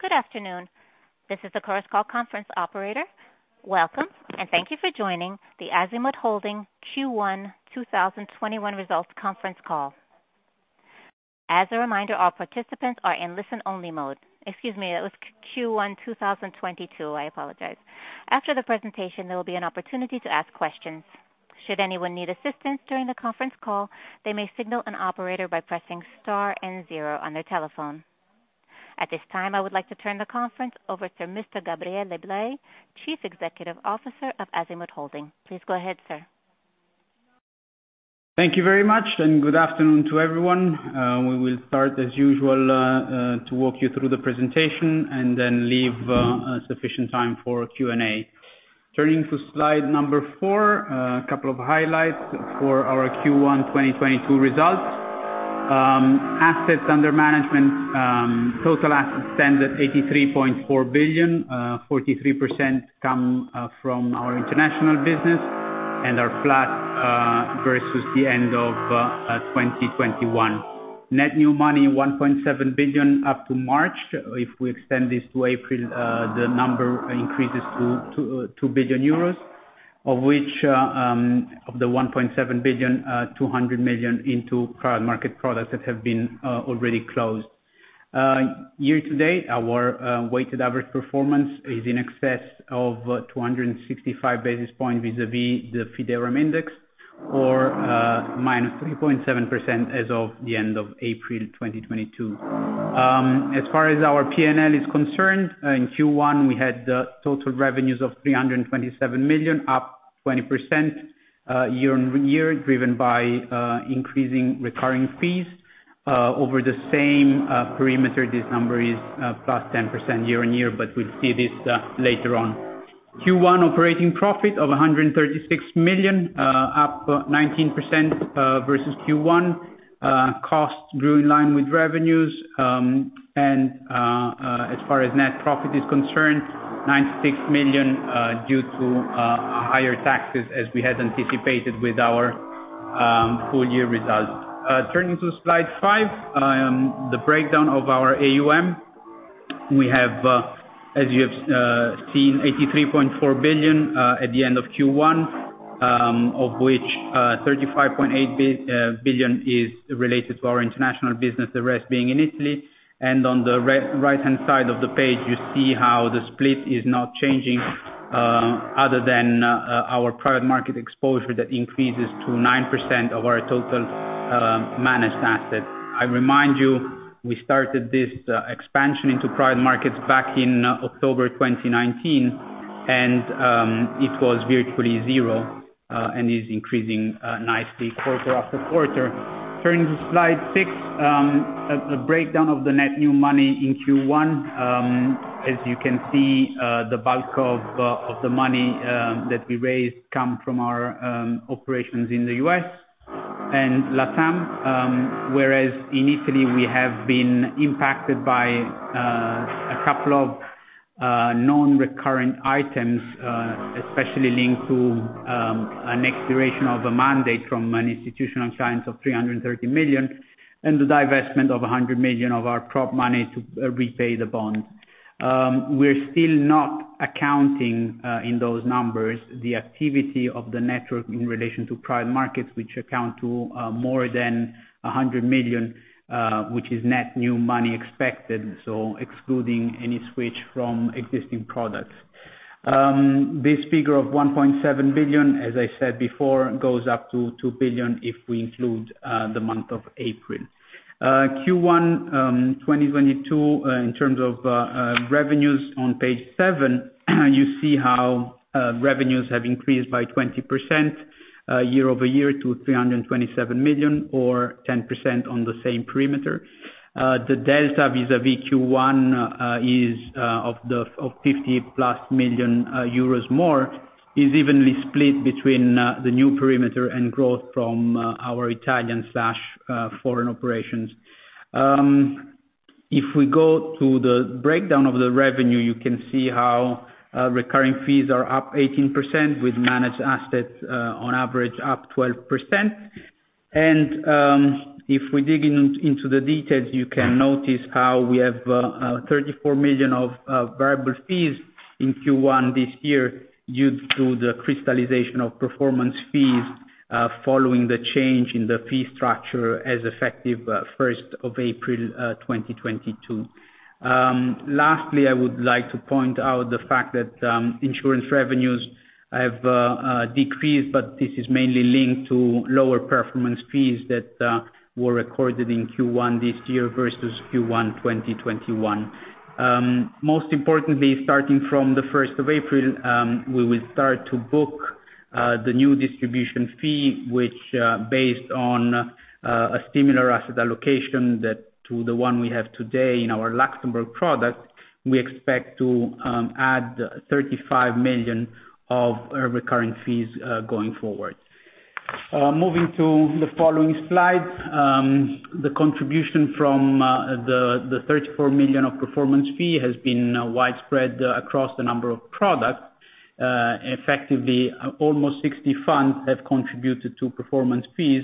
Good afternoon. This is the Chorus Call conference operator. Welcome and thank you for joining the Azimut Holding Q1 2021 results conference call. As a reminder, all participants are in listen-only mode. Excuse me, it was Q1 2022. I apologize. After the presentation, there will be an opportunity to ask questions. Should anyone need assistance during the conference call, they may signal an operator by pressing star and zero on their telephone. At this time, I would like to turn the conference over to Mr. Gabriele Blei, Chief Executive Officer of Azimut Holding. Please go ahead, sir. Thank you very much, and good afternoon to everyone. We will start as usual, to walk you through the presentation and then leave sufficient time for Q&A. Turning to slide number four, a couple of highlights for our Q1 2022 results. Assets under management, total assets stand at 83.4 billion. 43% come from our international business and are flat versus the end of 2021. Net new money, 1.7 billion up to March. If we extend this to April, the number increases to 2 billion euros, of which, of the 1.7 billion, 200 million into current market products that have been already closed. Year to date, our weighted average performance is in excess of 265 basis points vis-à-vis the Fidelity index, or -3.7% as of the end of April 2022. As far as our P&L is concerned, in Q1, we had total revenues of 327 million, up 20% year-over-year, driven by increasing recurring fees. Over the same perimeter, this number is +10% year-over-year, but we'll see this later on. Q1 operating profit of 136 million, up 19% versus Q1. Costs grew in line with revenues. As far as net profit is concerned, 96 million, due to higher taxes as we had anticipated with our full year results. Turning to slide five, the breakdown of our AUM. We have, as you have seen, 83.4 billion at the end of Q1, of which 35.8 billion is related to our international business, the rest being in Italy. On the right-hand side of the page, you see how the split is now changing, other than our private market exposure that increases to 9% of our total managed assets. I remind you, we started this expansion into private markets back in October 2019, and it was virtually zero, and is increasing nicely quarter after quarter. Turning to slide six, a breakdown of the net new money in Q1. As you can see, the bulk of the money that we raised come from our operations in the US and LATAM. Whereas in Italy we have been impacted by a couple of non-recurring items, especially linked to an expiration of a mandate from an institutional client of 330 million and the divestment of 100 million of our cash money to repay the bond. We're still not accounting in those numbers the activity of the network in relation to private markets, which amount to more than 100 million, which is net new money expected, so excluding any switch from existing products. This figure of 1.7 billion, as I said before, goes up to 2 billion if we include the month of April. Q1 2022 in terms of revenues on page seven, you see how revenues have increased by 20% year-over-year to 327 million or 10% on the same perimeter. The delta vis-à-vis Q1 is of 50+ million euros more, is evenly split between the new perimeter and growth from our Italian/foreign operations. If we go to the breakdown of the revenue, you can see how recurring fees are up 18% with managed assets on average up 12%. If we dig into the details, you can notice how we have 34 million of variable fees in Q1 this year due to the crystallization of performance fees following the change in the fee structure as effective first of April 2022. Lastly, I would like to point out the fact that insurance revenues have decreased, but this is mainly linked to lower performance fees that were recorded in Q1 this year versus Q1 2021. Most importantly, starting from the first of April, we will start to book the new distribution fee, which, based on a similar asset allocation to the one we have today in our Luxembourg product, we expect to add 35 million of our recurring fees going forward. Moving to the following slide, the contribution from the 34 million of performance fee has been widespread across the number of products. Effectively almost 60 funds have contributed to performance fees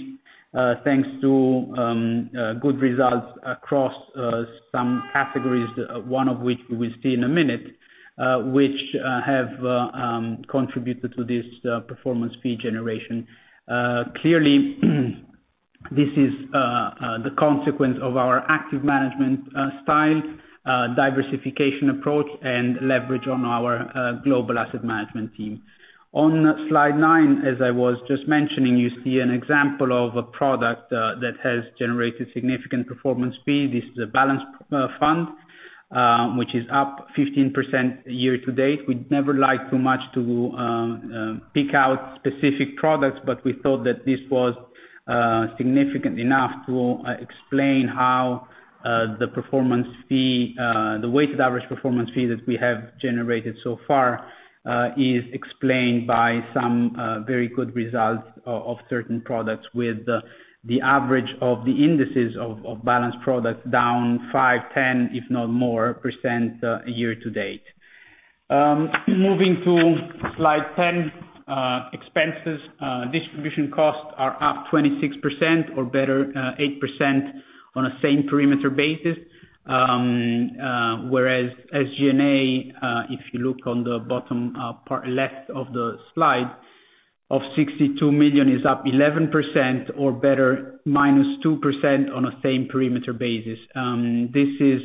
thanks to good results across some categories, one of which we'll see in a minute, which have contributed to this performance fee generation. Clearly, this is the consequence of our active management style, diversification approach, and leverage on our global asset management team. On slide nine, as I was just mentioning, you see an example of a product that has generated significant performance fee. This is a balanced fund which is up 15% year to date. We'd never like too much to pick out specific products, but we thought that this was significant enough to explain how the performance fee, the weighted average performance fee that we have generated so far, is explained by some very good results of certain products with the average of the indices of balanced products down 5%-10%, if not more%, year to date. Moving to slide ten, expenses, distribution costs are up 26% or better, 8% on a same perimeter basis. Whereas SG&A, if you look on the bottom part left of the slide of 62 million is up 11% or better -2% on a same perimeter basis. This is,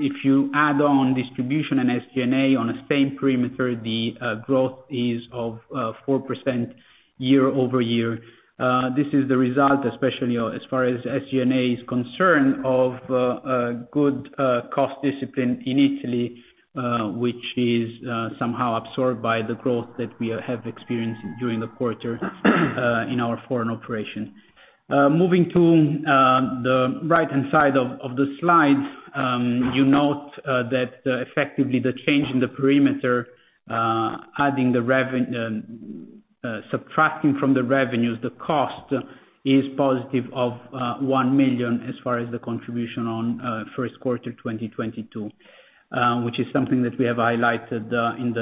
if you add on distribution and SG&A on a same perimeter, the growth is of 4% year-over-year. This is the result, especially as far as SG&A is concerned of a good cost discipline in Italy, which is somehow absorbed by the growth that we have experienced during the quarter in our foreign operations. Moving to the right-hand side of the slide. You note that effectively the change in the perimeter, subtracting from the revenues, the cost is positive of 1 million as far as the contribution on first quarter 2022, which is something that we have highlighted in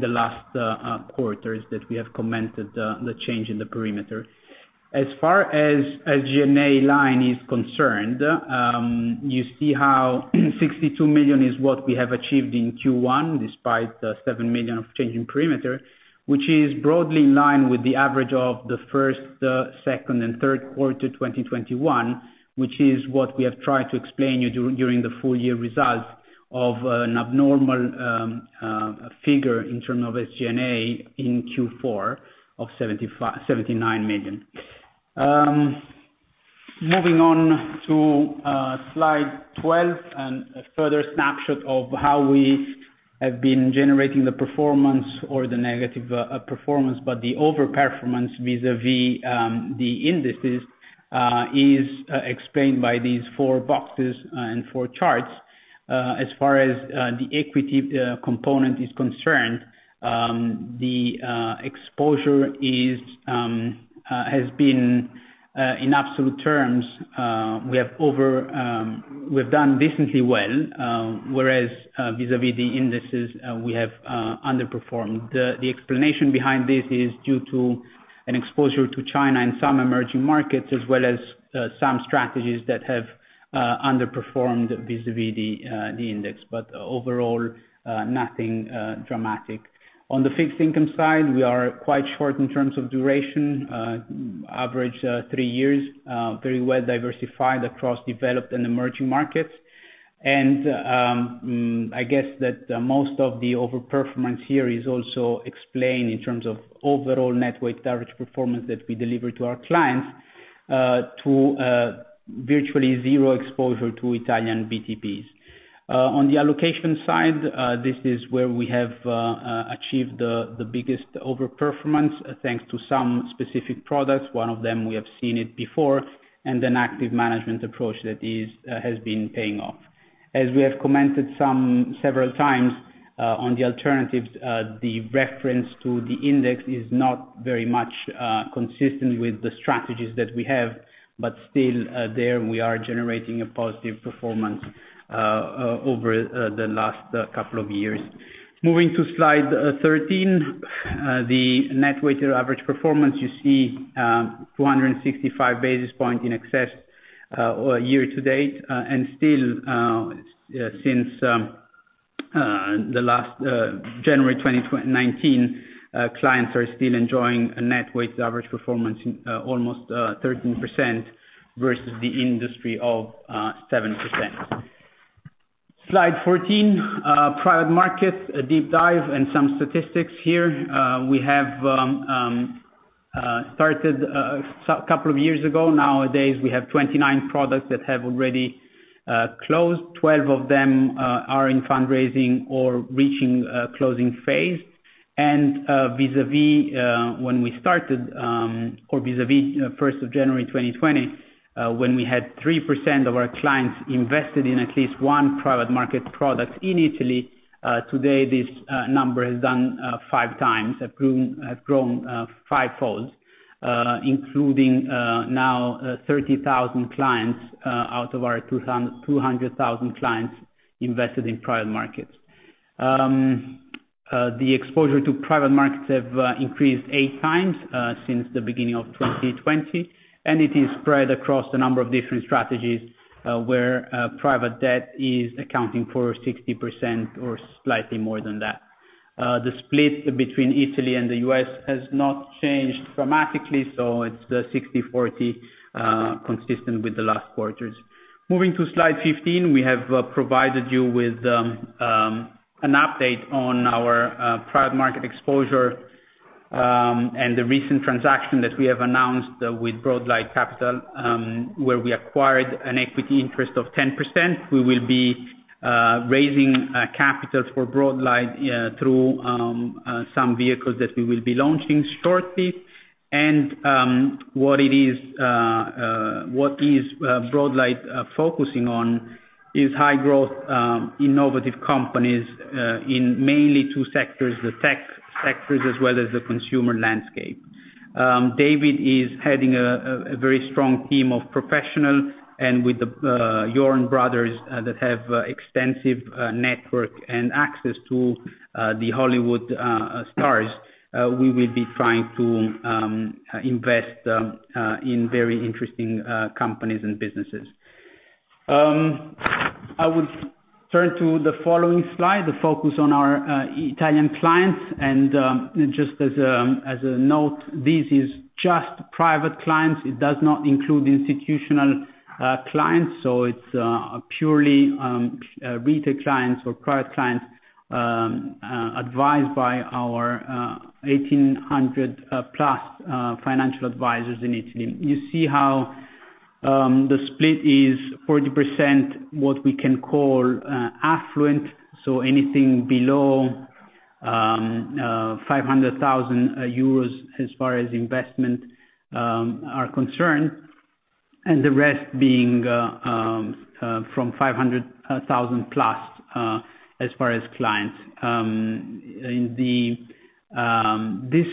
the last quarters that we have commented, the change in the perimeter. As far as SG&A line is concerned, you see how 62 million is what we have achieved in Q1, despite the 7 million of change in perimeter, which is broadly in line with the average of the first, second and third quarter 2021, which is what we have tried to explain you during the full year results of an abnormal figure in term of SG&A in Q4 of 79 million. Moving on to slide 12 and a further snapshot of how we have been generating the performance or the negative performance, but the overperformance vis-a-vis the indices is explained by these four boxes and four charts. As far as the equity component is concerned, the exposure has been in absolute terms we've done decently well, whereas vis-a-vis the indices we have underperformed. The explanation behind this is due to an exposure to China in some emerging markets as well as some strategies that have underperformed vis-a-vis the index. Overall, nothing dramatic. On the fixed income side, we are quite short in terms of duration, average three years, very well diversified across developed and emerging markets. I guess that most of the overperformance here is also explained in terms of overall net weight average performance that we deliver to our clients, virtually zero exposure to Italian BTPs. On the allocation side, this is where we have achieved the biggest overperformance, thanks to some specific products. One of them we have seen it before, and an active management approach that has been paying off. As we have commented several times on the alternatives, the reference to the index is not very much consistent with the strategies that we have, but still, there we are generating a positive performance over the last couple of years. Moving to slide 13, the net weighted average performance, you see, 265 basis points in excess year to date. Still, since the last January 2019, clients are still enjoying a net weighted average performance in almost 13% versus the industry of 7%. Slide 14, private market, a deep dive and some statistics here. We have started a couple of years ago. Nowadays, we have 29 products that have already closed. Twelve of them are in fundraising or reaching a closing phase. vis-a-vis you know first of January 2020 when we had 3% of our clients invested in at least one private market product in Italy today this number has grown five-fold including now 30,000 clients out of our 200,000 clients invested in private markets. The exposure to private markets have increased 8 times since the beginning of 2020 and it is spread across a number of different strategies where private debt is accounting for 60% or slightly more than that. The split between Italy and the U.S. has not changed dramatically so it's the 60-40 consistent with the last quarters. Moving to slide 15, we have provided you with an update on our private market exposure, and the recent transaction that we have announced with BroadLight Capital, where we acquired an equity interest of 10%. We will be raising capital for BroadLight through some vehicles that we will be launching shortly. What is BroadLight focusing on is high growth innovative companies in mainly two sectors, the tech sectors as well as the consumer landscape. David is heading a very strong team of professional and with the Yorn brothers that have extensive network and access to the Hollywood stars, we will be trying to invest in very interesting companies and businesses. I would turn to the following slide, the focus on our Italian clients. Just as a note, this is just private clients. It does not include institutional clients, so it's purely retail clients or private clients advised by our 1,800 plus financial advisors in Italy. You see how the split is 40%, what we can call affluent, so anything below 500,000 euros as far as investment are concerned, and the rest being from 500,000+ as far as clients. This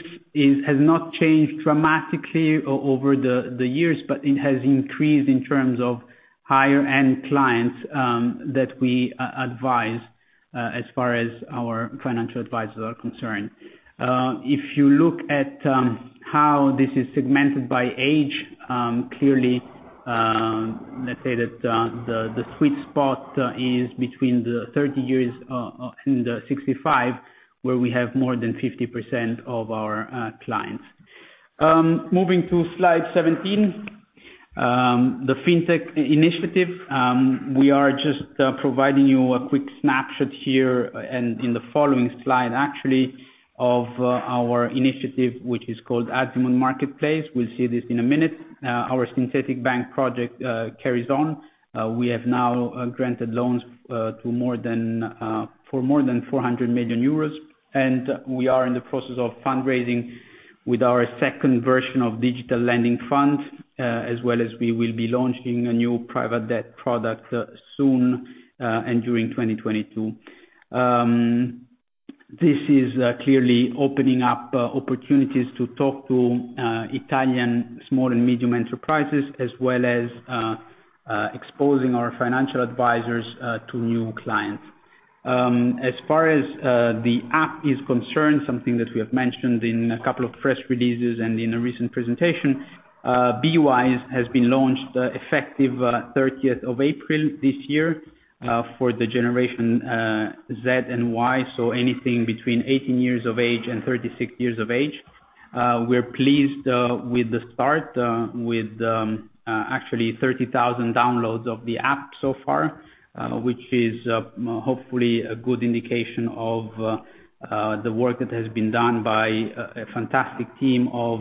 has not changed dramatically over the years, but it has increased in terms of higher-end clients that we advise as far as our financial advisors are concerned. If you look at how this is segmented by age, clearly, let's say that the sweet spot is between 30 years and 65, where we have more than 50% of our clients. Moving to slide 17. The Fintech initiative. We are just providing you a quick snapshot here and in the following slide, actually, of our initiative, which is called Azimut Marketplace. We'll see this in a minute. Our synthetic bank project carries on. We have now granted loans for more than 400 million euros, and we are in the process of fundraising with our second version of digital lending fund, as well as we will be launching a new private debt product soon, and during 2022. This is clearly opening up opportunities to talk to Italian small and medium enterprises, as well as exposing our financial advisors to new clients. As far as the app is concerned, something that we have mentioned in a couple of press releases and in a recent presentation, Beewise has been launched effective 30th of April this year for Generation Z and Y, so anything between 18 years of age and 36 years of age. We're pleased with the start actually 30,000 downloads of the app so far, which is hopefully a good indication of the work that has been done by a fantastic team of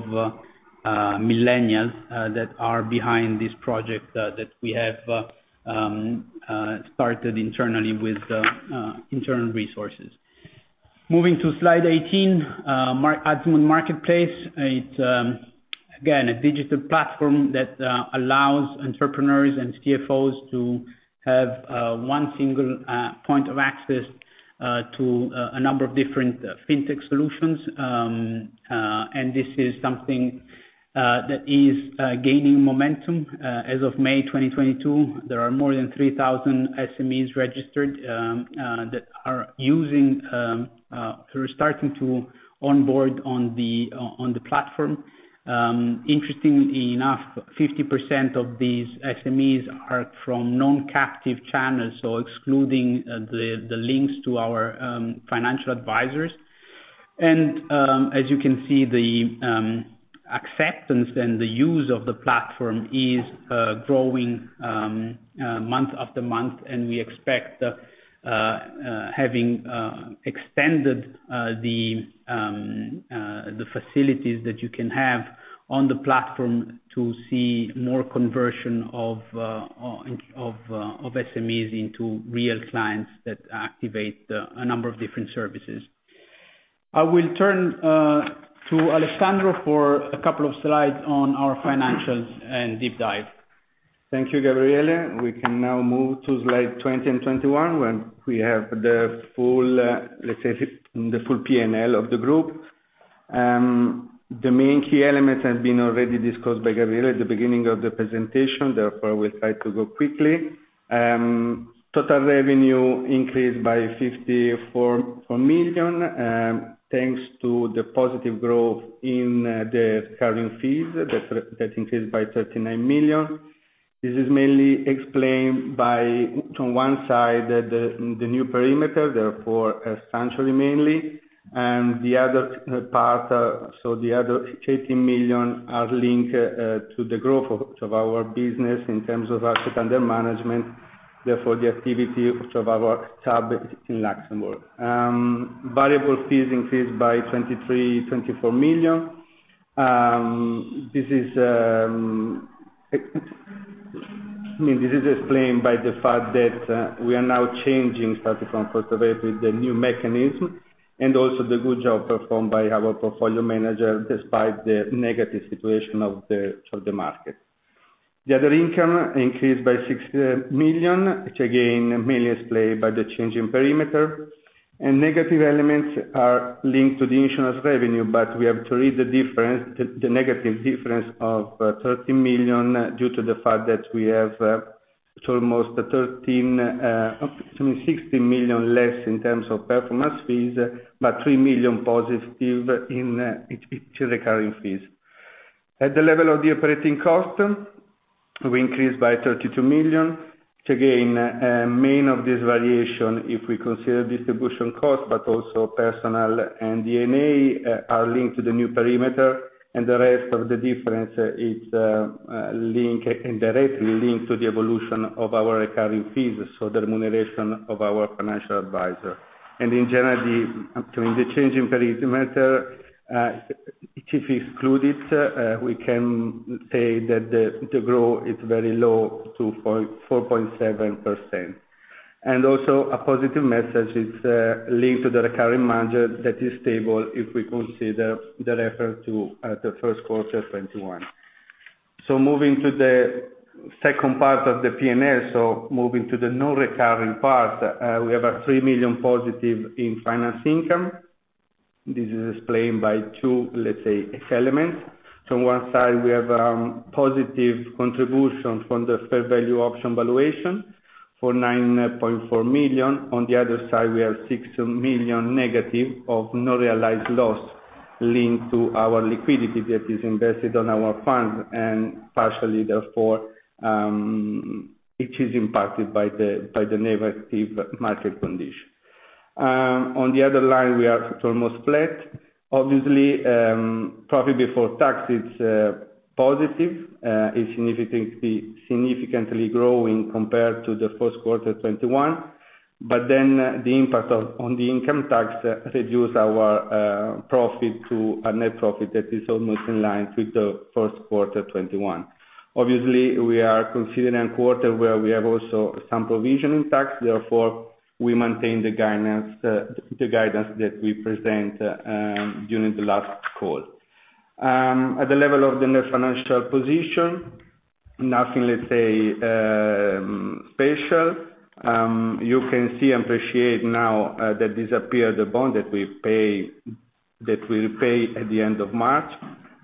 millennials that are behind this project that we have started internally with internal resources. Moving to slide 18. Azimut Marketplace. It's again a digital platform that allows entrepreneurs and CFOs to have one single point of access to a number of different Fintech solutions. This is something that is gaining momentum. As of May 2022, there are more than 3,000 SMEs registered who are starting to onboard on the platform. Interestingly enough, 50% of these SMEs are from non-captive channels, so excluding the links to our financial advisors. As you can see, the acceptance and the use of the platform is growing month after month, and we expect having extended the facilities that you can have on the platform to see more conversion of SMEs into real clients that activate a number of different services. I will turn to Alessandro for a couple of slides on our financials and deep dive. Thank you, Gabriele. We can now move to slide 20 and 21, where we have the full P&L of the group. The main key elements has been already discussed by Gabriele at the beginning of the presentation, therefore, I will try to go quickly. Total revenue increased by 54 million, thanks to the positive growth in the carrying fees that increased by 39 million. This is mainly explained by, to one side, the new perimeter, therefore, essentially mainly, and the other part, so the other 13 million are linked to the growth of our business in terms of assets under management, therefore, the activity of our sub in Luxembourg. Variable fees increased by 23, 24 million. I mean, this is explained by the fact that we are now changing starting from first of April, the new mechanism, and also the good job performed by our portfolio manager, despite the negative situation of the market. The other income increased by 6 million, which again mainly explained by the change in perimeter. Negative elements are linked to the insurance revenue, but we have to read the difference, the negative difference of 13 million, due to the fact that we have almost 13, oh, excuse me, 16 million less in terms of performance fees, but 3 million positive in to recurring fees. At the level of the operating cost, we increased by 32 million. Main of this variation, if we consider distribution cost, but also personnel and D&A, are linked to the new perimeter, and the rest of the difference it's linked, indirectly linked to the evolution of our recurring fees, so the remuneration of our financial advisor. In general, between the change in perimeter, if we exclude it, we can say that the growth is very low, 2.4-4.7%. Also a positive message is linked to the recurring margin that is stable if we consider the reference to the first quarter 2021. Moving to the second part of the P&L, the non-recurring part, we have 3 million positive in finance income. This is explained by two, let's say, elements. From one side, we have positive contribution from the fair value option valuation for 9.4 million. On the other side, we have 6 million negative unrealized loss linked to our liquidity that is invested on our funds and partially, therefore, it is impacted by the negative market condition. On the other line, we are almost flat. Obviously, profit before tax is positive. It's significantly growing compared to the first quarter 2021. But then the impact of, on the income tax reduce our profit to a net profit that is almost in line with the first quarter 2021. Obviously, we are considering a quarter where we have also some provision in tax, therefore, we maintain the guidance, the guidance that we present during the last call. At the level of the net financial position, nothing, let's say, special. You can see and appreciate now that disappeared the bond that we pay, that we'll pay at the end of March.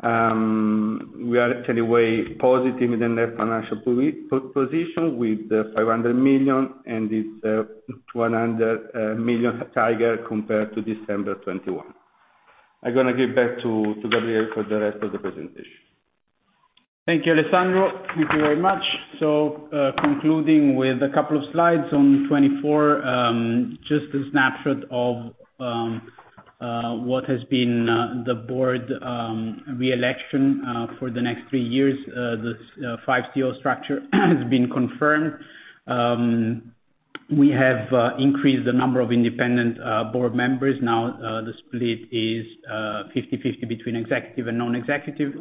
We are actually way positive in the net financial position with 500 million, and it's 100 million higher compared to December 2021. I'm gonna give back to Gabriele for the rest of the presentation. Thank you, Alessandro. Thank you very much. Concluding with a couple of slides on 2024, just a snapshot of what has been the board re-election for the next three years. The 5CO structure has been confirmed. We have increased the number of independent board members. Now, the split is 50/50 between executive and non-executive,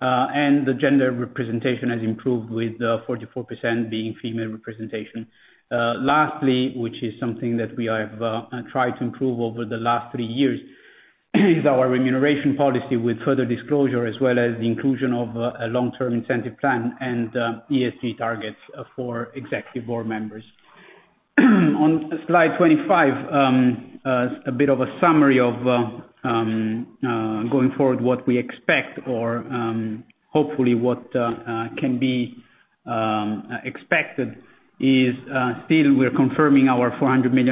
and the gender representation has improved with 44% being female representation. Lastly, which is something that we have tried to improve over the last three years, is our remuneration policy with further disclosure, as well as the inclusion of a long-term incentive plan and ESG targets for executive board members. On slide 25, a bit of a summary of going forward what we expect or hopefully what can be expected is still we're confirming our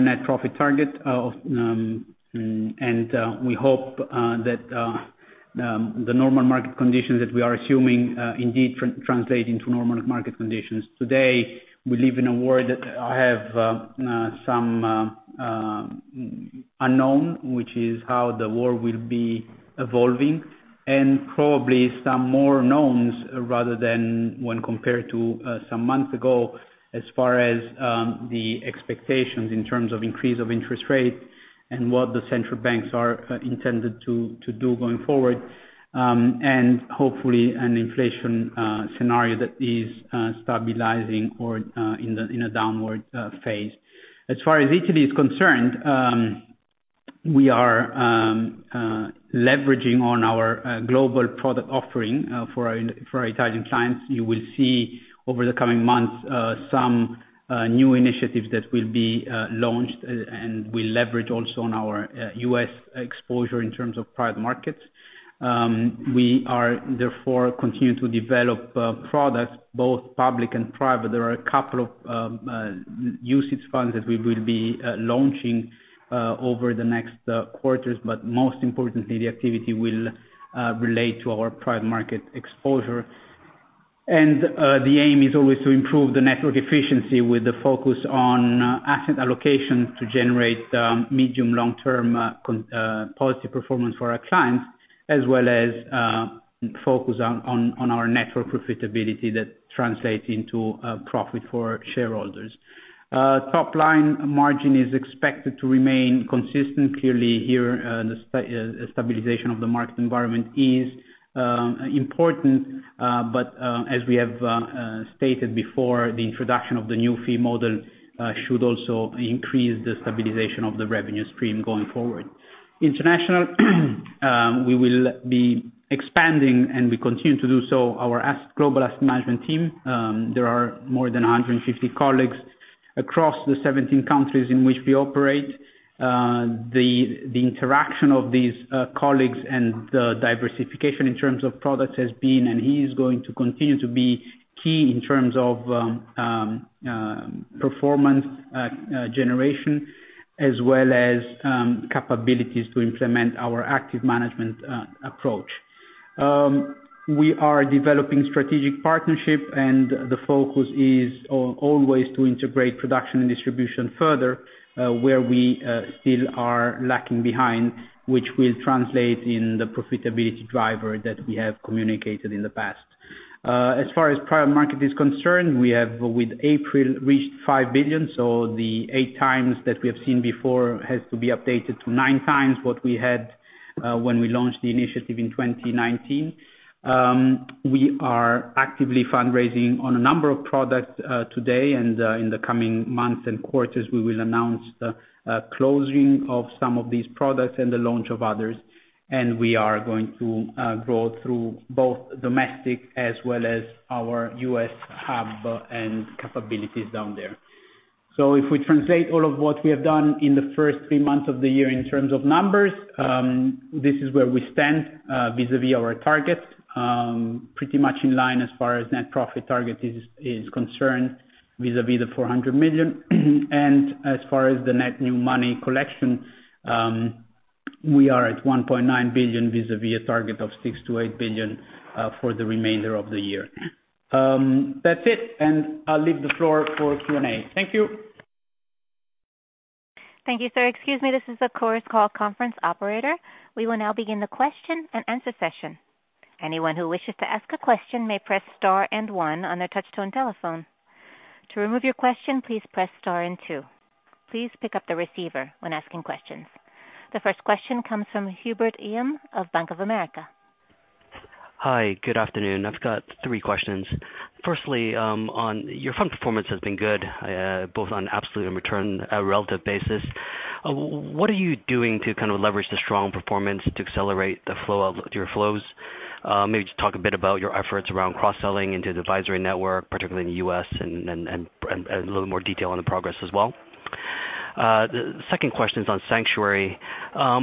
net profit target of EUR 400 million, and we hope that the normal market conditions that we are assuming indeed translate into normal market conditions. Today, we live in a world that have some unknown, which is how the world will be evolving, and probably some more knowns rather than when compared to some months ago as far as the expectations in terms of increase of interest rate and what the central banks are intended to do going forward, and hopefully an inflation scenario that is stabilizing or in a downward phase. As far as Italy is concerned, we are leveraging on our global product offering for Italian clients. You will see over the coming months some new initiatives that will be launched and we leverage also on our U.S. exposure in terms of private markets. We are therefore continuing to develop products, both public and private. There are a couple of UCITS funds that we will be launching over the next quarters. Most importantly, the activity will relate to our private market exposure. The aim is always to improve the network efficiency with the focus on asset allocation to generate medium long-term consistent performance for our clients, as well as focus on our network profitability that translates into profit for shareholders. Top line margin is expected to remain consistent. Clearly here, the stabilization of the market environment is important. As we have stated before, the introduction of the new fee model should also increase the stabilization of the revenue stream going forward. International. We will be expanding, and we continue to do so, our global asset management team. There are more than 150 colleagues across the 17 countries in which we operate. The interaction of these colleagues and the diversification in terms of products has been, and is going to continue to be key in terms of performance generation, as well as capabilities to implement our active management approach. We are developing strategic partnerships, and the focus is always to integrate production and distribution further, where we still are lagging behind, which will translate in the profitability driver that we have communicated in the past. As far as private market is concerned, we have, with April, reached 5 billion. The 8x that we have seen before has to be updated to 9x what we had, when we launched the initiative in 2019. We are actively fundraising on a number of products today, and, in the coming months and quarters, we will announce the closing of some of these products and the launch of others. We are going to grow through both domestic as well as our US hub and capabilities down there. If we translate all of what we have done in the first three months of the year in terms of numbers, this is where we stand vis-à-vis our targets. Pretty much in line as far as net profit target is concerned, vis-à-vis the 400 million. As far as the net new money collection, we are at 1.9 billion, vis-à-vis a target of 6 billion-8 billion for the remainder of the year. That's it, and I'll leave the floor for Q&A. Thank you. Thank you, sir. Excuse me, this is the Chorus Call conference operator. We will now begin the question and answer session. Anyone who wishes to ask a question may press star and one on their touch tone telephone. To remove your question, please press star and two. Please pick up the receiver when asking questions. The first question comes from Hubert Lam of Bank of America. Hi, good afternoon. I've got three questions. Firstly, your fund performance has been good both on absolute and return relative basis. What are you doing to kind of leverage the strong performance to accelerate the flow of your flows? Maybe just talk a bit about your efforts around cross-selling into the advisory network, particularly in the U.S., and a little more detail on the progress as well. The second question is on Sanctuary. How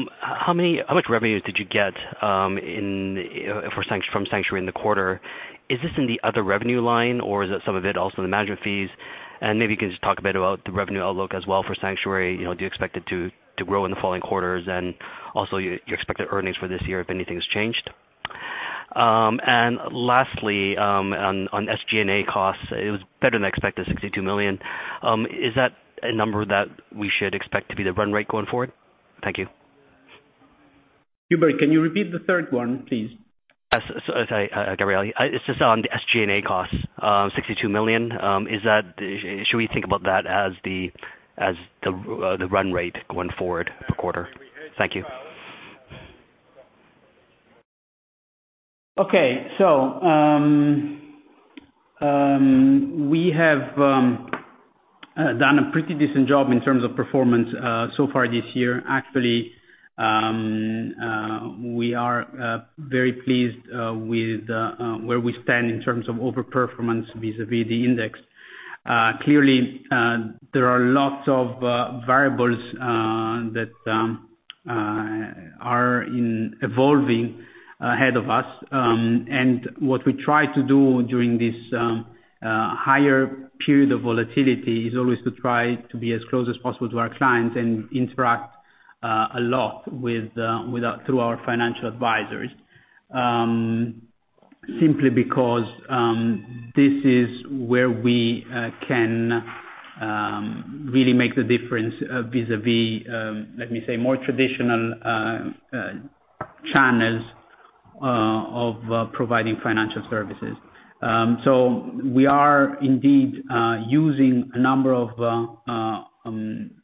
much revenues did you get from Sanctuary in the quarter? Is this in the other revenue line or is it some of it also the management fees? Maybe you can just talk a bit about the revenue outlook as well for Sanctuary, you know, do you expect it to grow in the following quarters, and also your expected earnings for this year if anything's changed. Lastly, on SG&A costs, it was better than expected, 62 million. Is that a number that we should expect to be the run rate going forward? Thank you. Hubert, can you repeat the third one, please? Sorry, Gabriele. It's just on the SG&A costs, 62 million. Should we think about that as the run rate going forward for quarter? Thank you. Okay. We have done a pretty decent job in terms of performance so far this year. Actually, we are very pleased with where we stand in terms of overperformance vis-à-vis the index. Clearly, there are lots of variables that are evolving ahead of us. What we try to do during this higher period of volatility is always to try to be as close as possible to our clients and interact a lot through our financial advisors. Simply because this is where we can really make the difference vis-à-vis, let me say, more traditional channels of providing financial services. We are indeed using a number of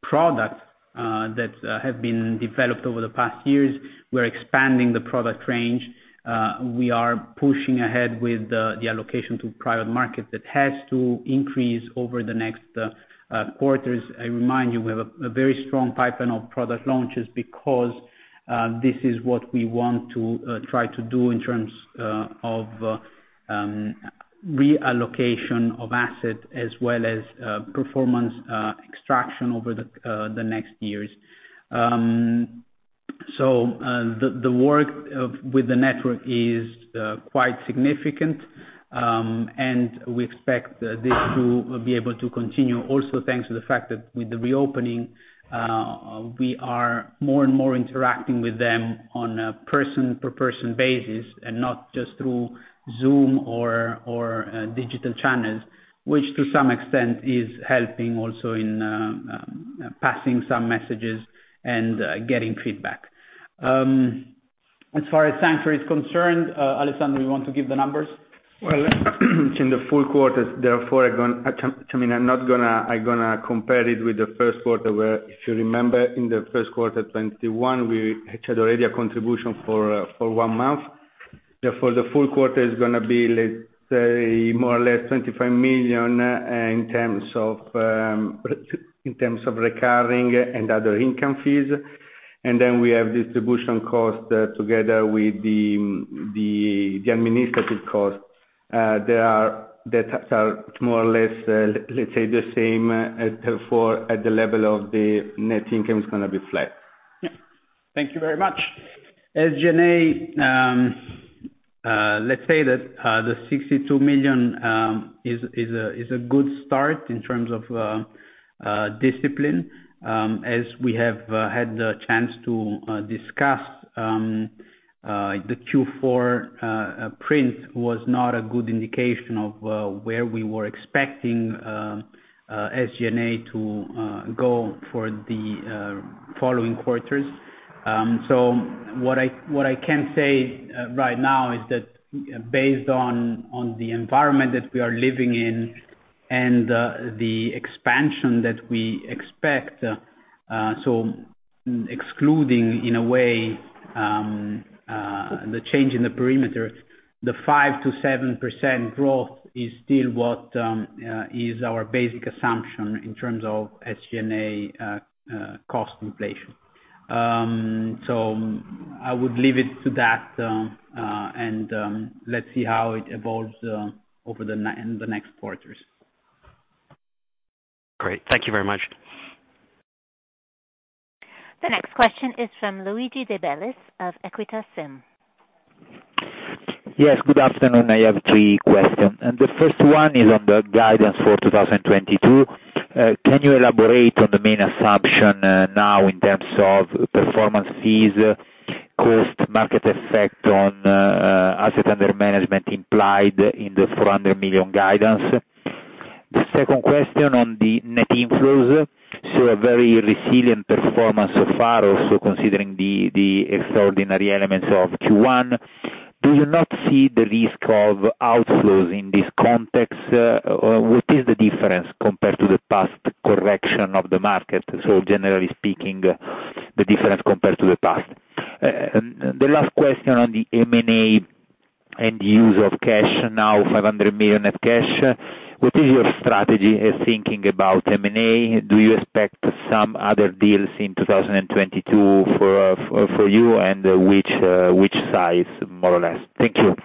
products that have been developed over the past years. We're expanding the product range. We are pushing ahead with the allocation to private market that has to increase over the next quarters. I remind you, we have a very strong pipeline of product launches because this is what we want to try to do in terms of reallocation of assets as well as performance extraction over the next years. The work with the network is quite significant. We expect this to be able to continue also thanks to the fact that with the reopening, we are more and more interacting with them on a person-to-person basis, and not just through Zoom or digital channels, which to some extent is helping also in passing some messages and getting feedback. As far as Sanctuary is concerned, Alessandro, you want to give the numbers? Well, in the full quarters, therefore I'm gonna compare it with the first quarter, where if you remember, in the first quarter 2021, we had already a contribution for one month. Therefore the full quarter is gonna be, let's say, more or less 25 million in terms of recurring and other income fees. Then we have distribution costs together with the administrative costs. They are more or less the same, therefore at the level of the net income is gonna be flat. Yeah. Thank you very much. As SG&A, let's say that the 62 million is a good start in terms of discipline. As we have had the chance to discuss, the Q4 print was not a good indication of where we were expecting SG&A to go for the following quarters. What I can say right now is that based on the environment that we are living in and the expansion that we expect, so excluding in a way the change in the perimeter, the 5%-7% growth is still what is our basic assumption in terms of SG&A cost inflation. I would leave it to that, and let's see how it evolves in the next quarters. Great. Thank you very much. The next question is from Luigi De Bellis of Equita SIM. Yes, good afternoon. I have three question. The first one is on the guidance for 2022. Can you elaborate on the main assumption, now in terms of performance fees, cost market effect on, asset under management implied in the 400 million guidance? The second question on the net inflows. A very resilient performance so far, also considering the extraordinary elements of Q1. Do you not see the risk of outflows in this context? Or what is the difference compared to the past correction of the market? Generally speaking, the difference compared to the past. The last question on the M&A and use of cash, now 500 million of cash. What is your strategy in thinking about M&A? Do you expect some other deals in 2022 for you? And which size, more or less? Thank you.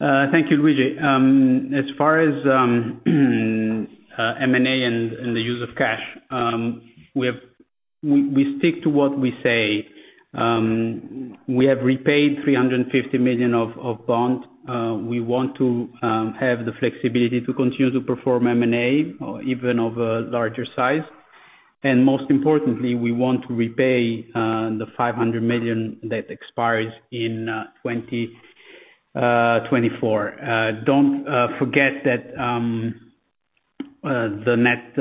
Thank you, Luigi. As far as M&A and the use of cash, we have. We stick to what we say. We have repaid 350 million of bond. We want to have the flexibility to continue to perform M&A or even of a larger size. Most importantly, we want to repay the 500 million that expires in 2024. Don't forget that the net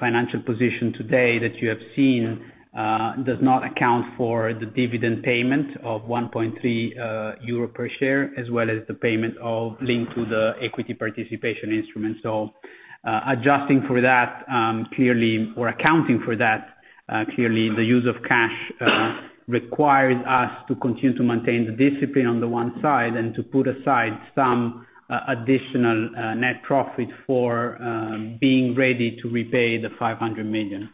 financial position today that you have seen does not account for the dividend payment of 1.3 euro per share, as well as the payment of link to the equity participation instrument. Adjusting for that, clearly, accounting for that, clearly the use of cash requires us to continue to maintain the discipline on the one side and to put aside some additional net profit for being ready to repay the 500 million.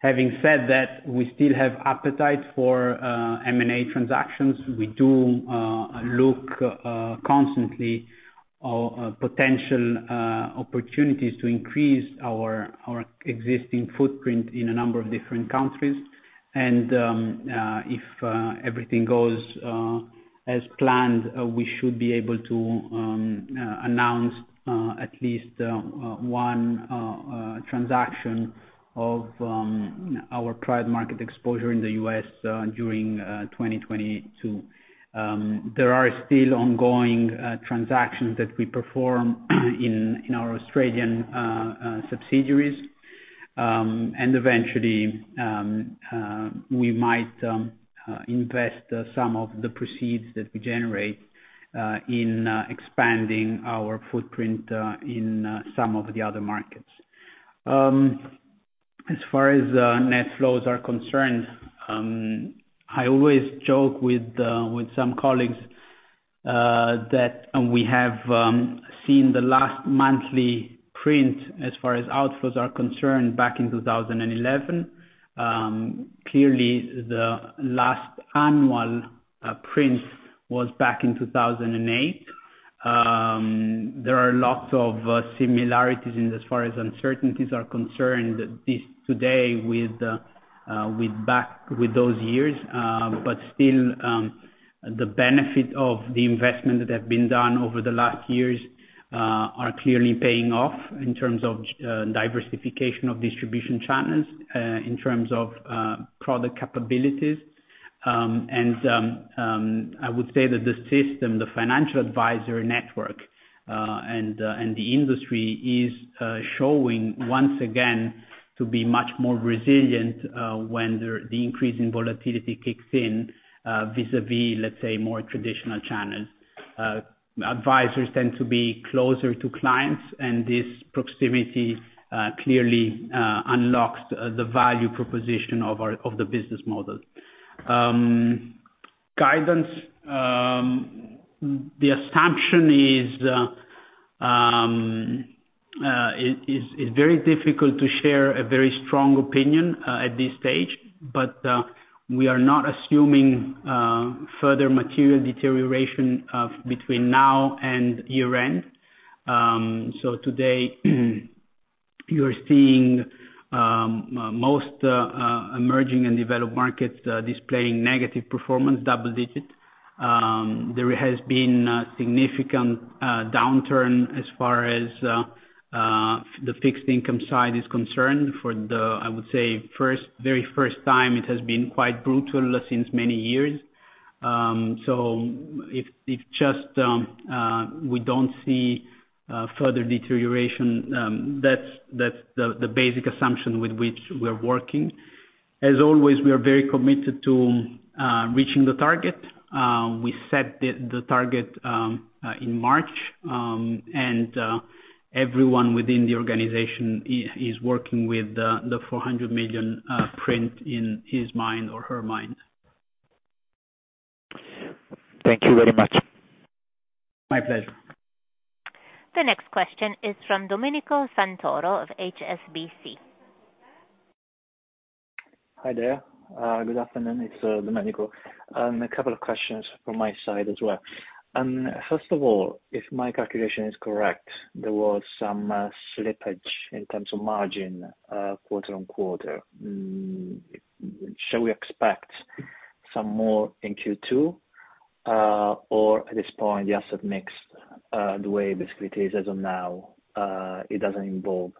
Having said that, we still have appetite for M&A transactions. We do look constantly for potential opportunities to increase our existing footprint in a number of different countries. If everything goes as planned, we should be able to announce at least one transaction of our private market exposure in the U.S. during 2022. There are still ongoing transactions that we perform in our Australian subsidiaries. Eventually, we might invest some of the proceeds that we generate in expanding our footprint in some of the other markets. As far as net flows are concerned, I always joke with some colleagues that we have seen the last monthly print as far as outflows are concerned back in 2011. Clearly, the last annual print was back in 2008. There are lots of similarities in as far as uncertainties are concerned today with those years. Still, the benefit of the investment that have been done over the last years are clearly paying off in terms of diversification of distribution channels, in terms of product capabilities. I would say that the system, the financial advisor network, and the industry is showing once again to be much more resilient when the increase in volatility kicks in, vis-a-vis, let's say, more traditional channels. Advisors tend to be closer to clients, and this proximity clearly unlocks the value proposition of our business model. Guidance. The assumption is very difficult to share a very strong opinion at this stage, but we are not assuming further material deterioration between now and year-end. Today, you are seeing most emerging and developed markets displaying negative performance, double-digit. There has been a significant downturn as far as the fixed income side is concerned for the, I would say, first, very first time it has been quite brutal since many years. If just we don't see further deterioration, that's the basic assumption with which we're working. As always, we are very committed to reaching the target. We set the target in March, and everyone within the organization is working with the 400 million profit in his mind or her mind. Thank you very much. My pleasure. The next question is from Domenico Santoro of HSBC. Hi there. Good afternoon. It's Domenico. A couple of questions from my side as well. First of all, if my calculation is correct, there was some slippage in terms of margin quarter-on-quarter. Shall we expect some more in Q2, or at this point, the asset mix, the way basically it is as of now, it doesn't involve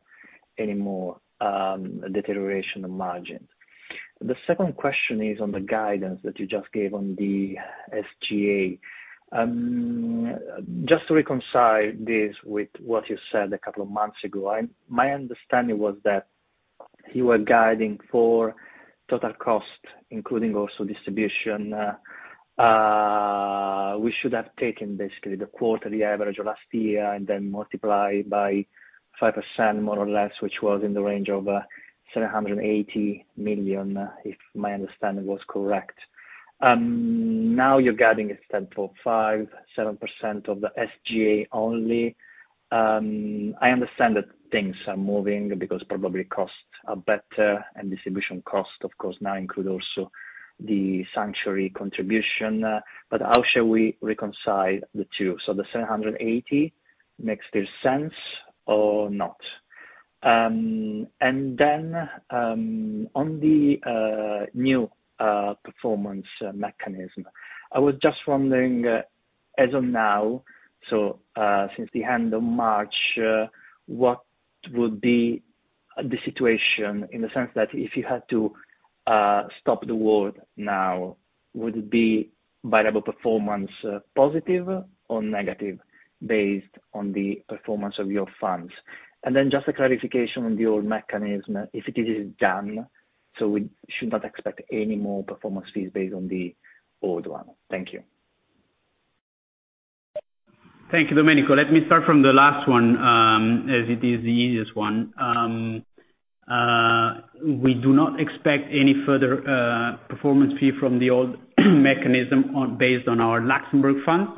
any more deterioration of margin? The second question is on the guidance that you just gave on the SG&A. Just to reconcile this with what you said a couple of months ago. My understanding was that you were guiding for total cost, including also distribution. We should have taken basically the quarterly average of last year and then multiply by 5% more or less, which was in the range of 780 million, if my understanding was correct. Now you're guiding instead 4, 5, 7% of the SG&A only. I understand that things are moving because probably costs are better and distribution costs, of course, now include also the Sanctuary contribution. How shall we reconcile the two? The 780 million makes still sense or not? On the new performance mechanism, I was just wondering, as of now, so since the end of March, what would be the situation in the sense that if you had to stop the world now, would it be variable performance, positive or negative based on the performance of your funds? Just a clarification on the old mechanism, if it is done, so we should not expect any more performance fees based on the old one. Thank you. Thank you, Domenico. Let me start from the last one, as it is the easiest one. We do not expect any further performance fee from the old mechanism, based on our Luxembourg fund.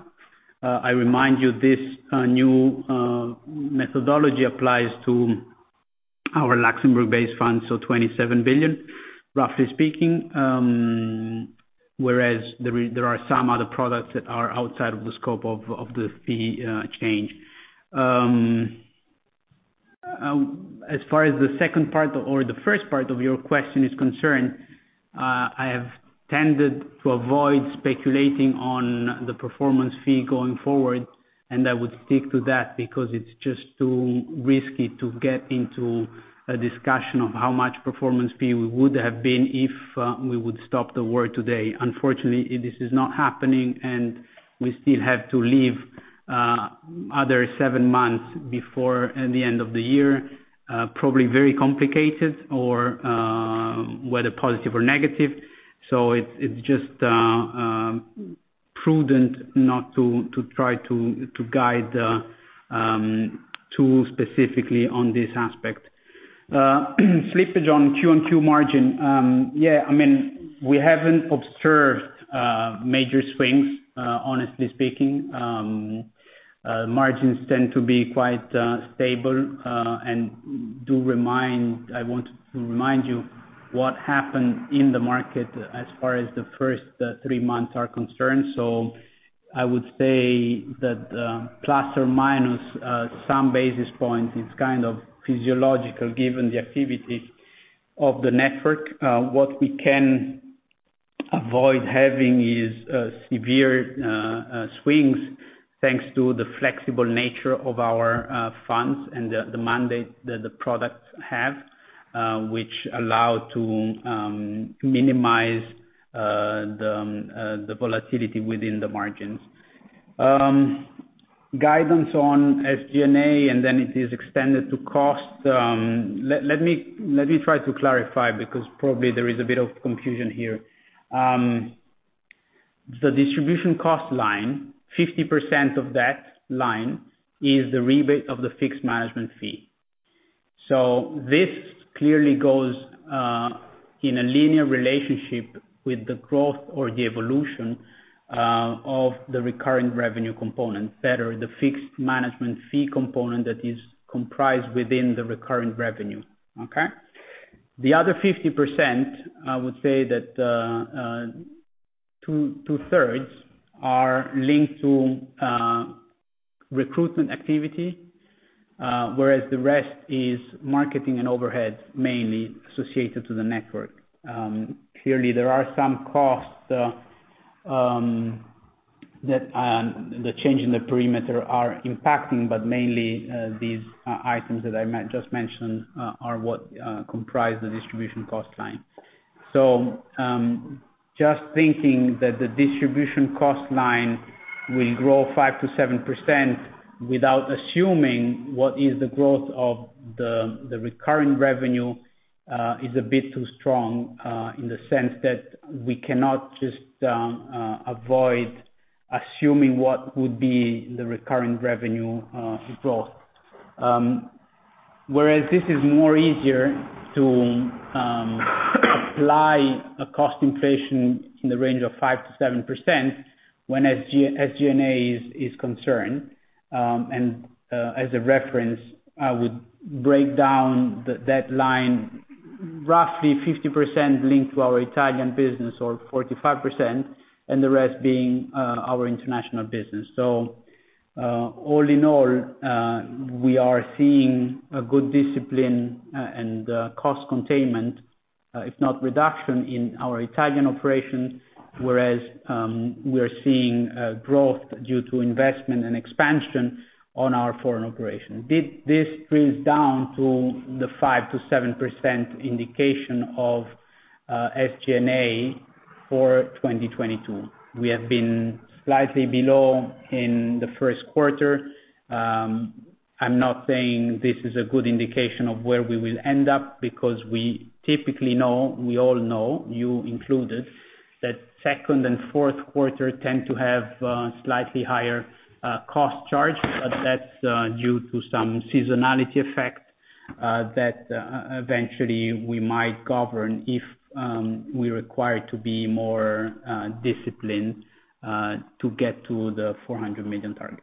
I remind you, this new methodology applies to our Luxembourg-based funds, so 27 billion, roughly speaking. Whereas there are some other products that are outside of the scope of the fee change. As far as the second part or the first part of your question is concerned, I have tended to avoid speculating on the performance fee going forward, and I would stick to that because it's just too risky to get into a discussion of how much performance fee would have been if we would stop the world today. Unfortunately, this is not happening, and we still have to live other seven months before the end of the year. Probably very complicated whether positive or negative. It's just prudent not to try to guide too specifically on this aspect. Slippage on Q-on-Q margin. Yeah, I mean, we haven't observed major swings, honestly speaking. Margins tend to be quite stable, and I want to remind you what happened in the market as far as the first three months are concerned. I would say that plus or minus some basis point is kind of physiological, given the activity of the network. What we can avoid having is severe swings, thanks to the flexible nature of our funds and the mandate that the products have, which allow to minimize the volatility within the margins. Guidance on SG&A, and then it is extended to cost. Let me try to clarify because probably there is a bit of confusion here. The distribution cost line, 50% of that line is the rebate of the fixed management fee. This clearly goes in a linear relationship with the growth or the evolution of the recurring revenue component, that is, the fixed management fee component that is comprised within the recurring revenue. Okay? The other 50%, I would say that two-thirds are linked to recruitment activity, whereas the rest is marketing and overhead, mainly associated to the network. Clearly there are some costs that the change in the perimeter are impacting, but mainly these items that I just mentioned are what comprise the distribution cost line. Just thinking that the distribution cost line will grow 5%-7% without assuming what is the growth of the recurring revenue is a bit too strong, in the sense that we cannot just avoid assuming what would be the recurring revenue growth. Whereas this is more easier to apply a cost inflation in the range of 5%-7% when SG&A is concerned. As a reference, I would break down that line, roughly 50% linked to our Italian business, or 45%, and the rest being our international business. All in all, we are seeing a good discipline and a cost containment, if not reduction, in our Italian operations, whereas we are seeing growth due to investment and expansion on our foreign operations. This brings down to the 5%-7% indication of SG&A for 2022. We have been slightly below in the first quarter. I'm not saying this is a good indication of where we will end up because we typically know, we all know, you included, that second and fourth quarter tend to have slightly higher cost charge, but that's due to some seasonality effect that eventually we might govern if we're required to be more disciplined to get to the 400 million target.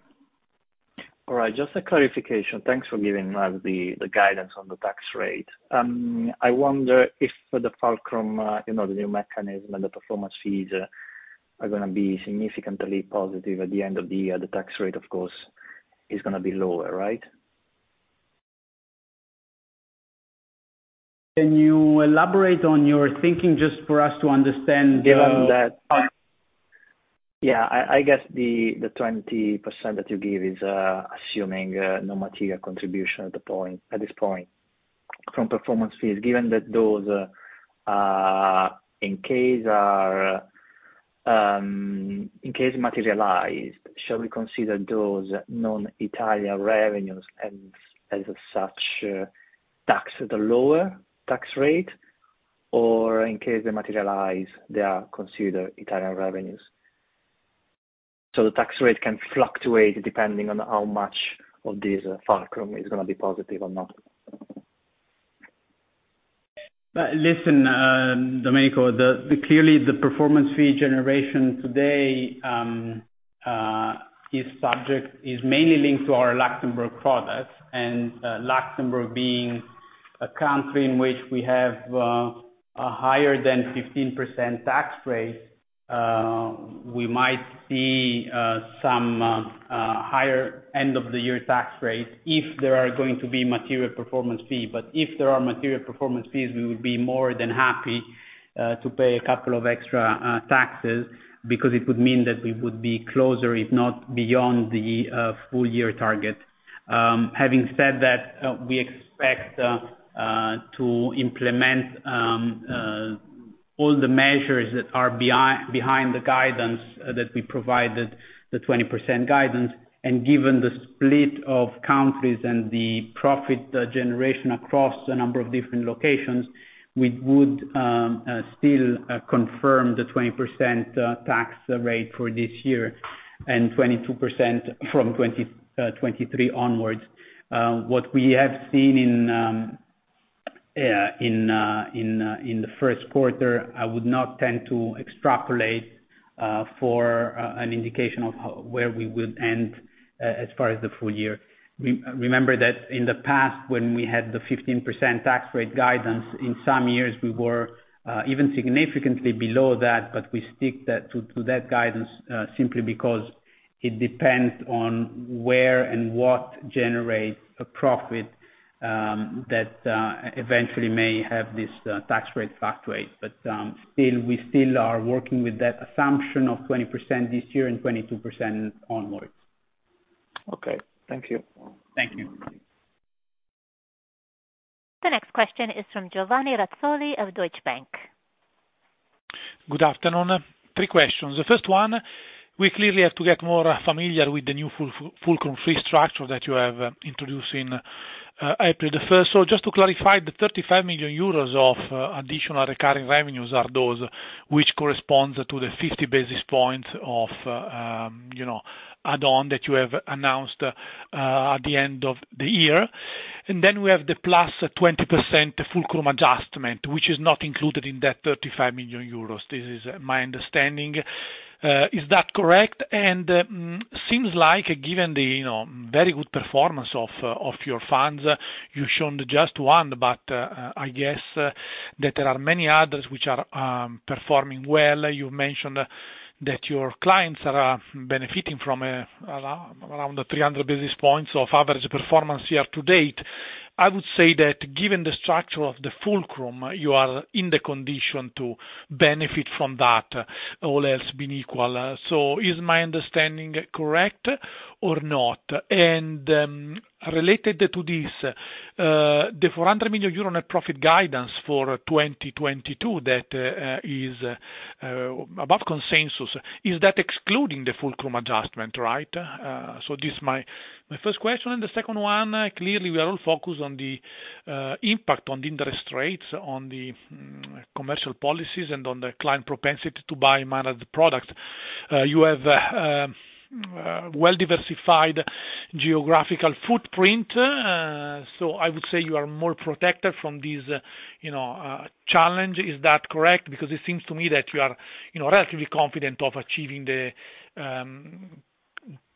All right. Just a clarification. Thanks for giving us the guidance on the tax rate. I wonder if the fulcrum, you know, the new mechanism and the performance fees, are gonna be significantly positive at the end of the year. The tax rate, of course, is gonna be lower, right? Can you elaborate on your thinking just for us to understand? Yeah, I guess the 20% that you give is assuming no material contribution at this point from performance fees. Given that those in case materialized, shall we consider those non-Italian revenues and as such taxed at a lower tax rate? In case they materialize, they are considered Italian revenues. The tax rate can fluctuate depending on how much of this fulcrum is gonna be positive or not. Listen, Domenico, clearly the performance fee generation today is mainly linked to our Luxembourg products, and Luxembourg being a country in which we have a higher than 15% tax rate, we might see some higher end-of-the-year tax rate if there are going to be material performance fee. If there are material performance fees, we would be more than happy to pay a couple of extra taxes because it would mean that we would be closer, if not beyond the full-year target. Having said that, we expect to implement all the measures that are behind the guidance that we provided, the 20% guidance, and given the split of countries and the profit generation across a number of different locations, we would still confirm the 20% tax rate for this year and 22% from 2023 onwards. What we have seen in the first quarter, I would not tend to extrapolate for an indication of where we would end as far as the full year. Remember that in the past when we had the 15% tax rate guidance, in some years we were even significantly below that, but we stick to that guidance simply because it depends on where and what generates a profit that eventually may have this tax rate fluctuate. Still, we are working with that assumption of 20% this year and 22% onwards. Okay. Thank you. Thank you. The next question is from Giovanni Razzoli of Deutsche Bank. Good afternoon. Three questions. The first one, we clearly have to get more familiar with the new fulcrum fee structure that you have introduced in April 1. Just to clarify, the 35 million euros of additional recurring revenues are those which corresponds to the 50 basis points of, you know, add on that you have announced at the end of the year. Then we have the +20% fulcrum adjustment, which is not included in that 35 million euros. This is my understanding. Is that correct? Seems like given the, you know, very good performance of of your funds, you shown just one. I guess that there are many others which are performing well. You've mentioned that your clients are benefiting from around the 300 basis points of average performance year to date. I would say that given the structure of the fulcrum, you are in the condition to benefit from that all else being equal. Is my understanding correct or not? Related to this, the 400 million euro net profit guidance for 2022 that is above consensus, is that excluding the fulcrum adjustment, right? This my first question. The second one, clearly we are all focused on the impact on interest rates, on the commercial policies, and on the client propensity to buy managed product. You have well diversified geographical footprint. I would say you are more protected from this, you know, challenge. Is that correct? Because it seems to me that you are, you know, relatively confident of achieving the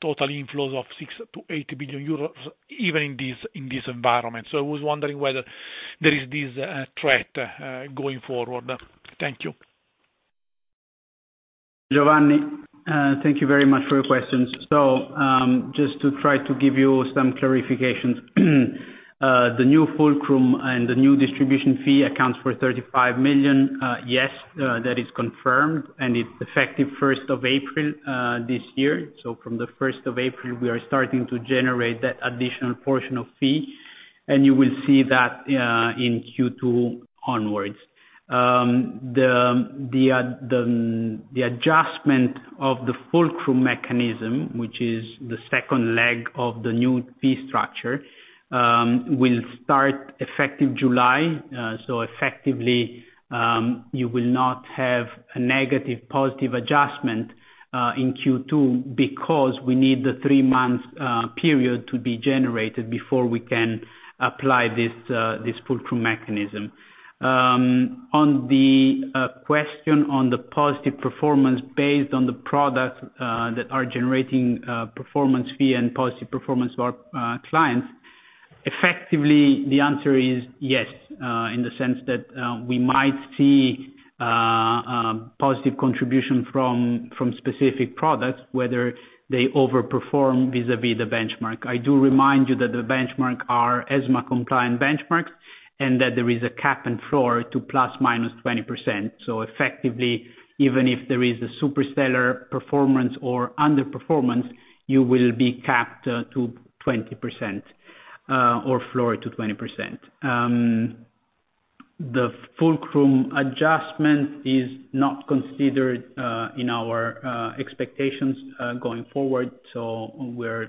total inflows of 6 billion-8 billion euros even in this environment. I was wondering whether there is this threat going forward. Thank you. Giovanni, thank you very much for your questions. Just to try to give you some clarifications. The new fulcrum and the new distribution fee accounts for 35 million. Yes, that is confirmed, and it's effective first of April, this year. From the first of April we are starting to generate that additional portion of fee, and you will see that in Q2 onwards. The adjustment of the fulcrum mechanism, which is the second leg of the new fee structure, will start effective July. Effectively, you will not have a negative, positive adjustment in Q2 because we need the three months period to be generated before we can apply this fulcrum mechanism. On the question on the positive performance based on the products that are generating performance fee and positive performance for clients. Effectively, the answer is yes in the sense that we might see positive contribution from specific products, whether they overperform vis-a-vis the benchmark. I do remind you that the benchmark are ESMA compliant benchmarks, and that there is a cap and floor to ±20%. Effectively, even if there is a super stellar performance or underperformance, you will be capped to 20% or floor to 20%. The fulcrum adjustment is not considered in our expectations going forward. We're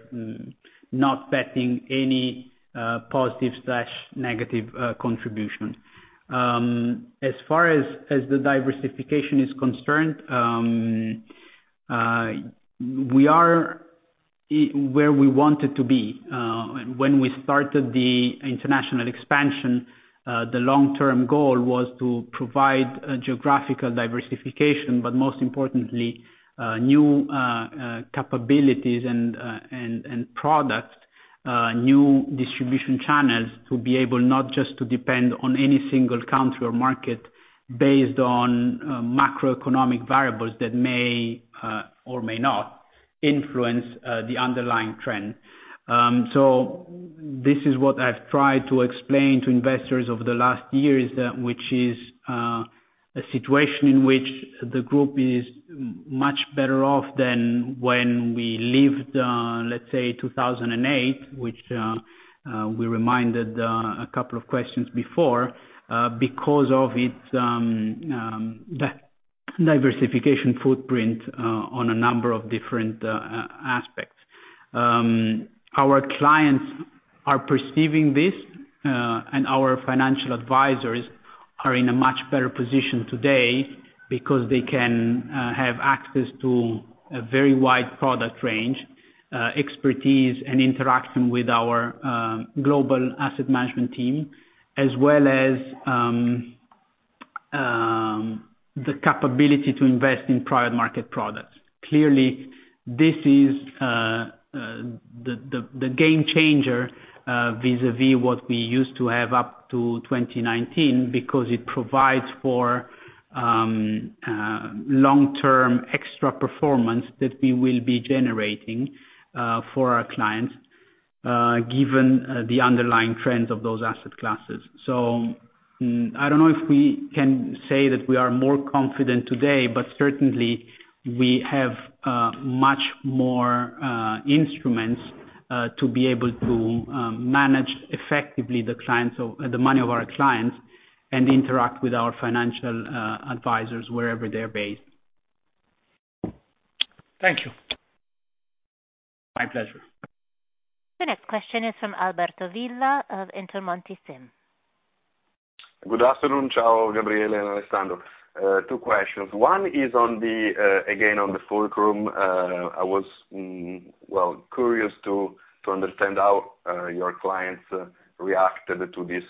not betting any positive/negative contribution. As far as the diversification is concerned, we are where we wanted to be when we started the international expansion. The long-term goal was to provide a geographical diversification, but most importantly, new capabilities and products, new distribution channels to be able not just to depend on any single country or market based on macroeconomic variables that may or may not influence the underlying trend. This is what I've tried to explain to investors over the last years, which is a situation in which the group is much better off than when we lived, let's say 2008, which we reminded a couple of questions before, because of its diversification footprint on a number of different aspects. Our clients are perceiving this, and our financial advisors are in a much better position today because they can have access to a very wide product range, expertise and interaction with our global asset management team, as well as the capability to invest in private market products. Clearly, this is the game changer vis-à-vis what we used to have up to 2019, because it provides for long-term extra performance that we will be generating for our clients given the underlying trends of those asset classes. I don't know if we can say that we are more confident today, but certainly we have much more instruments to be able to manage effectively the money of our clients and interact with our financial advisors wherever they're based. Thank you. My pleasure. The next question is from Alberto Villa of Intermonte SIM. Good afternoon. Ciao, Gabriele and Alessandro. Two questions. One is on the fulcrum again. I was well curious to understand how your clients reacted to these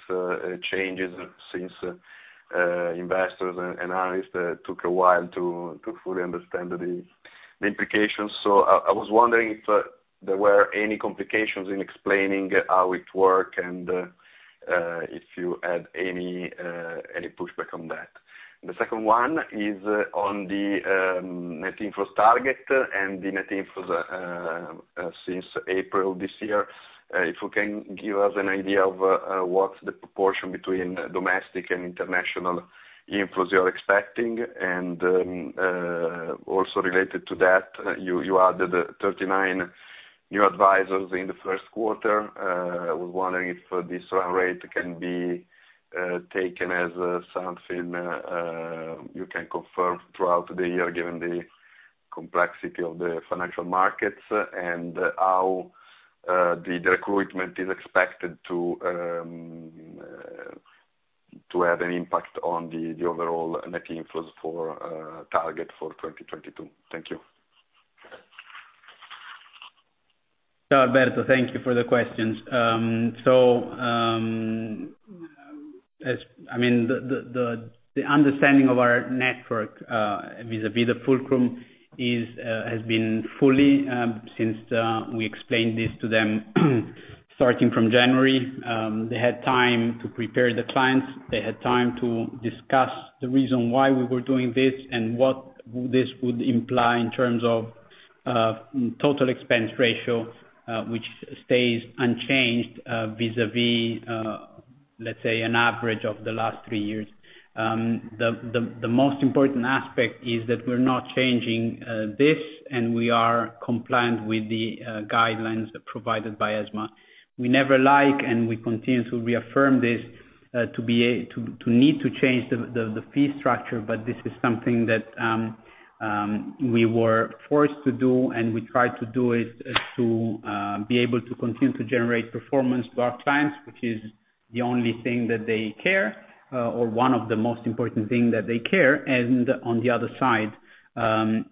changes since investors and analysts took a while to fully understand the implications. I was wondering if there were any complications in explaining how it work and if you had any pushback on that. The second one is on the net inflows target and the net inflows since April this year. If you can give us an idea of what's the proportion between domestic and international inflows you are expecting, and also related to that, you added 39 new advisors in the first quarter. I was wondering if this run rate can be taken as something you can confirm throughout the year, given the complexity of the financial markets and how the recruitment is expected to have an impact on the overall net inflows for target for 2022. Thank you. Alberto, thank you for the questions. I mean, the understanding of our network vis-à-vis the fulcrum is has been fully since we explained this to them starting from January. They had time to prepare the clients. They had time to discuss the reason why we were doing this and what this would imply in terms of total expense ratio, which stays unchanged vis-à-vis let's say an average of the last three years. The most important aspect is that we're not changing this, and we are compliant with the guidelines provided by ESMA. We never like, and we continue to reaffirm this, to need to change the fee structure, but this is something that we were forced to do, and we try to do it to be able to continue to generate performance to our clients, which is the only thing that they care or one of the most important thing that they care. On the other side,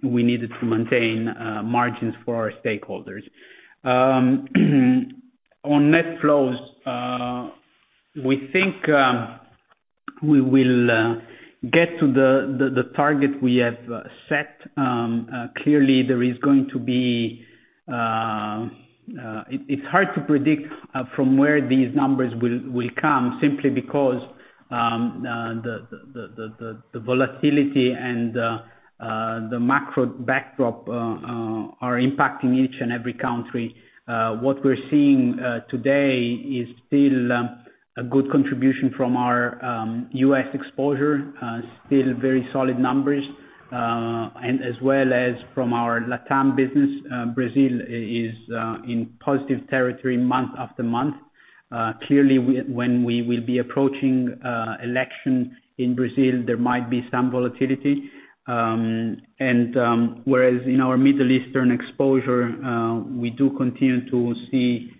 we needed to maintain margins for our stakeholders. On net flows, we think we will get to the target we have set. Clearly, there is going to be. It's hard to predict from where these numbers will come simply because the volatility and the macro backdrop are impacting each and every country. What we're seeing today is still a good contribution from our US exposure, still very solid numbers, and as well as from our LATAM business. Brazil is in positive territory month after month. Clearly when we will be approaching election in Brazil, there might be some volatility. Whereas in our Middle Eastern exposure, we do continue to see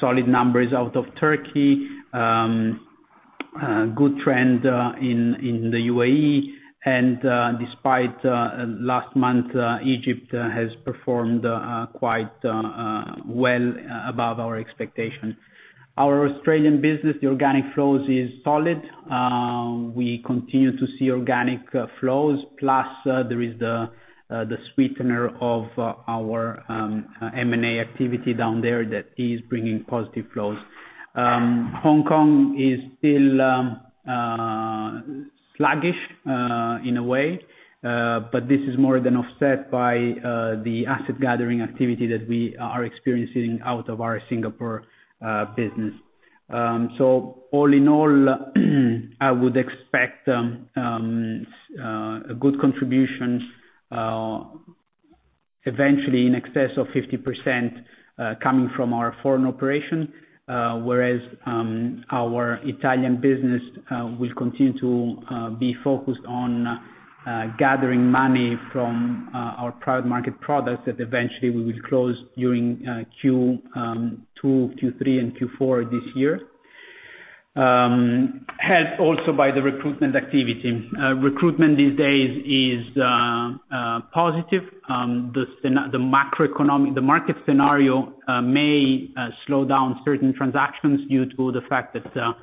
solid numbers out of Turkey, good trend in the UAE, and despite last month, Egypt has performed quite well above our expectation. Our Australian business, the organic flows is solid. We continue to see organic flows, plus, there is the sweetener of our M&A activity down there that is bringing positive flows. Hong Kong is still sluggish, in a way, but this is more than offset by the asset gathering activity that we are experiencing out of our Singapore business. All in all, I would expect a good contribution, eventually in excess of 50%, coming from our foreign operation, whereas our Italian business will continue to be focused on gathering money from our private market products that eventually we will close during Q2, Q3, and Q4 this year. Helped also by the recruitment activity. Recruitment these days is positive. The macroeconomic, the market scenario may slow down certain transactions due to the fact that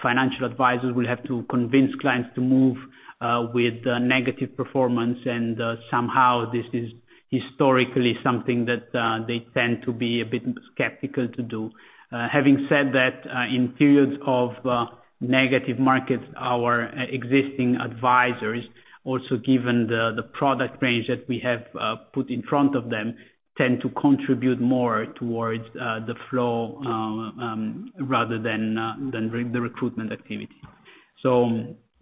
financial advisors will have to convince clients to move with negative performance and somehow this is historically something that they tend to be a bit skeptical to do. Having said that, in periods of negative markets, our existing advisors, also given the product range that we have put in front of them, tend to contribute more towards the flow rather than the recruitment activity.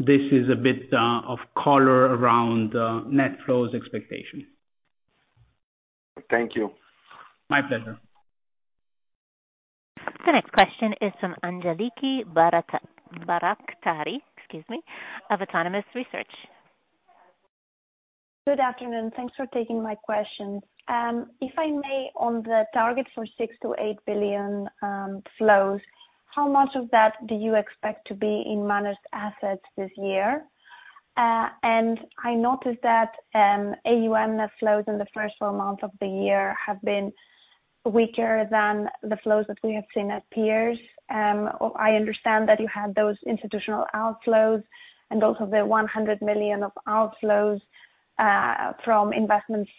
This is a bit of color around net flows expectation. Thank you. My pleasure. The next question is from Angeliki Bairaktari, excuse me, of Autonomous Research. Good afternoon. Thanks for taking my questions. If I may, on the target for 6-8 billion flows, how much of that do you expect to be in managed assets this year? I noticed that AUM net flows in the first four months of the year have been weaker than the flows that we have seen at peers. I understand that you had those institutional outflows and also the 100 million of outflows from investments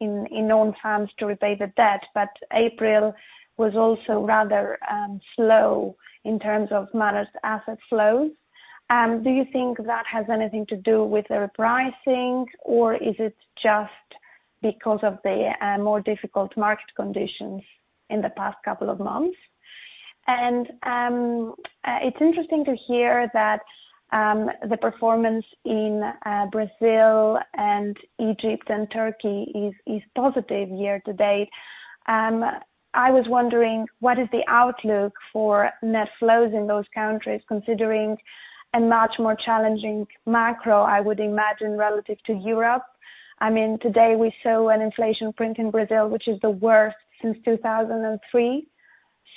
in own funds to repay the debt. April was also rather slow in terms of managed asset flows. Do you think that has anything to do with the repricing, or is it just because of the more difficult market conditions in the past couple of months? It's interesting to hear that the performance in Brazil and Egypt and Turkey is positive year to date. I was wondering what is the outlook for net flows in those countries, considering a much more challenging macro, I would imagine, relative to Europe. I mean, today we saw an inflation print in Brazil, which is the worst since 2003.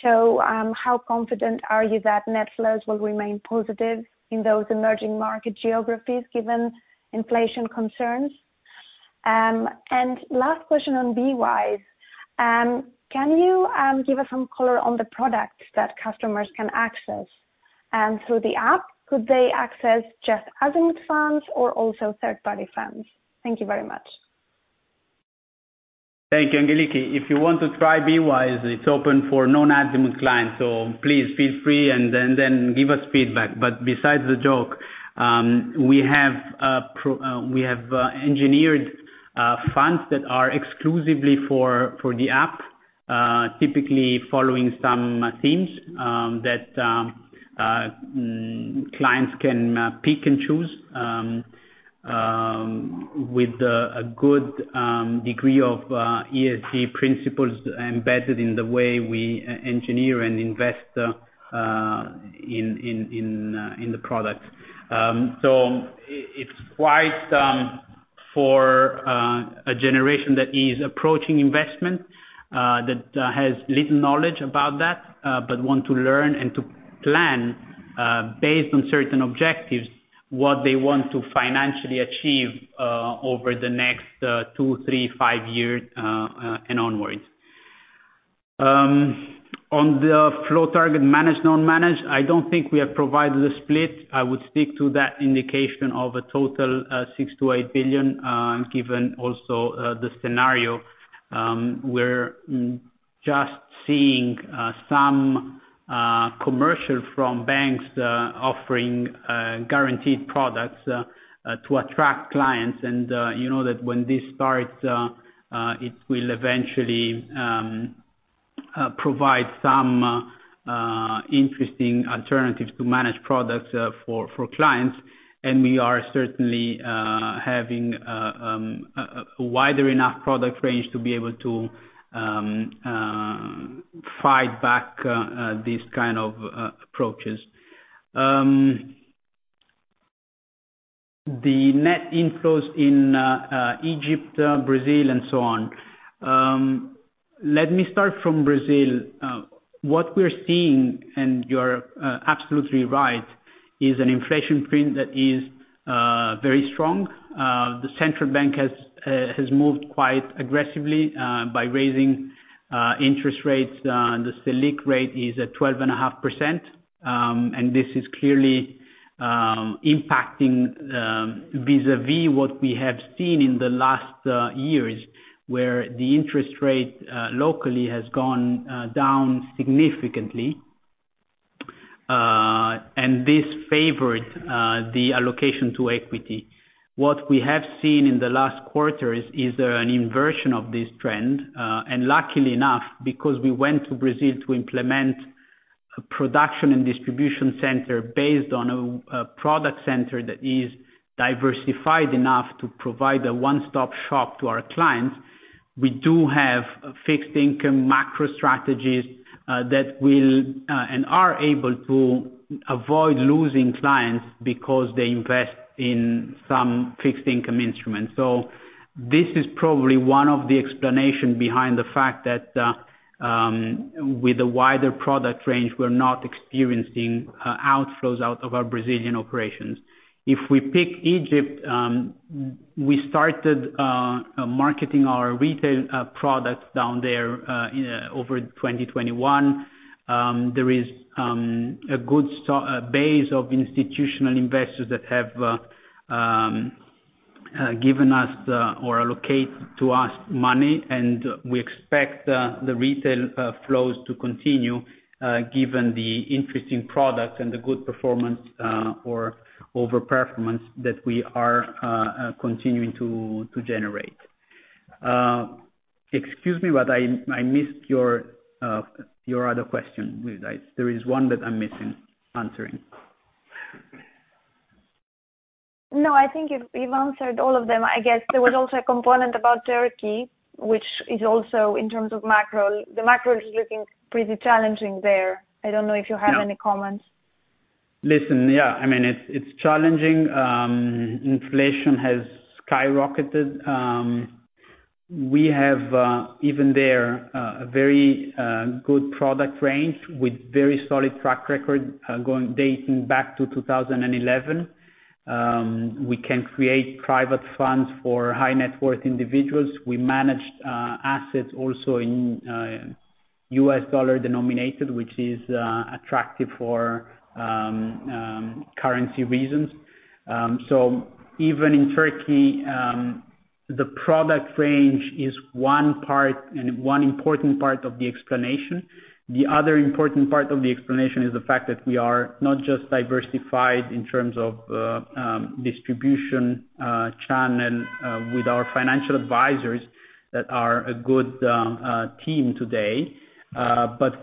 How confident are you that net flows will remain positive in those emerging market geographies given inflation concerns? Last question on Beewise. Can you give us some color on the products that customers can access through the app? Could they access just Azimut funds or also third-party funds? Thank you very much. Thank you, Angeliki. If you want to try Beewise, it's open for non-Azimut clients, so please feel free and then give us feedback. Besides the joke, we have engineered funds that are exclusively for the app, typically following some themes that clients can pick and choose with a good degree of ESG principles embedded in the way we engineer and invest in the product. It's quite for a generation that is approaching investment that has little knowledge about that but want to learn and to plan based on certain objectives what they want to financially achieve over the next two, three, five years and onwards. On the flow target managed, non-managed, I don't think we have provided a split. I would stick to that indication of a total 6-8 billion. Given also the scenario we're just seeing some commercial from banks offering guaranteed products to attract clients. You know that when this starts it will eventually provide some interesting alternatives to managed products for clients. We are certainly having a wider enough product range to be able to fight back these kind of approaches. The net inflows in Egypt, Brazil and so on. Let me start from Brazil. What we're seeing, and you're absolutely right, is an inflation print that is very strong. The central bank has moved quite aggressively by raising interest rates. The Selic rate is at 12.5%. This is clearly impacting vis-à-vis what we have seen in the last years, where the interest rate locally has gone down significantly. This favored the allocation to equity. What we have seen in the last quarter is an inversion of this trend. Luckily enough, because we went to Brazil to implement a production and distribution center based on a product center that is diversified enough to provide a one-stop shop to our clients. We do have fixed income macro strategies that will and are able to avoid losing clients because they invest in some fixed income instruments. This is probably one of the explanation behind the fact that, with a wider product range, we're not experiencing, outflows out of our Brazilian operations. If we pick Egypt, we started marketing our retail products down there over in 2021. There is a good base of institutional investors that have given us the, or allocate to us money, and we expect the retail flows to continue, given the interesting products and the good performance, or over-performance that we are continuing to generate. Excuse me, but I missed your other question. There is one that I'm missing answering. No, I think you've answered all of them. I guess there was also a component about Turkey, which is also in terms of macro. The macro is looking pretty challenging there. I don't know if you have any comments. Listen, yeah, I mean it's challenging. Inflation has skyrocketed. We have even there a very good product range with very solid track record dating back to 2011. We can create private funds for high net worth individuals. We manage assets also in US dollar denominated, which is attractive for currency reasons. Even in Turkey, the product range is one part and one important part of the explanation. The other important part of the explanation is the fact that we are not just diversified in terms of distribution channel with our financial advisors that are a good team today.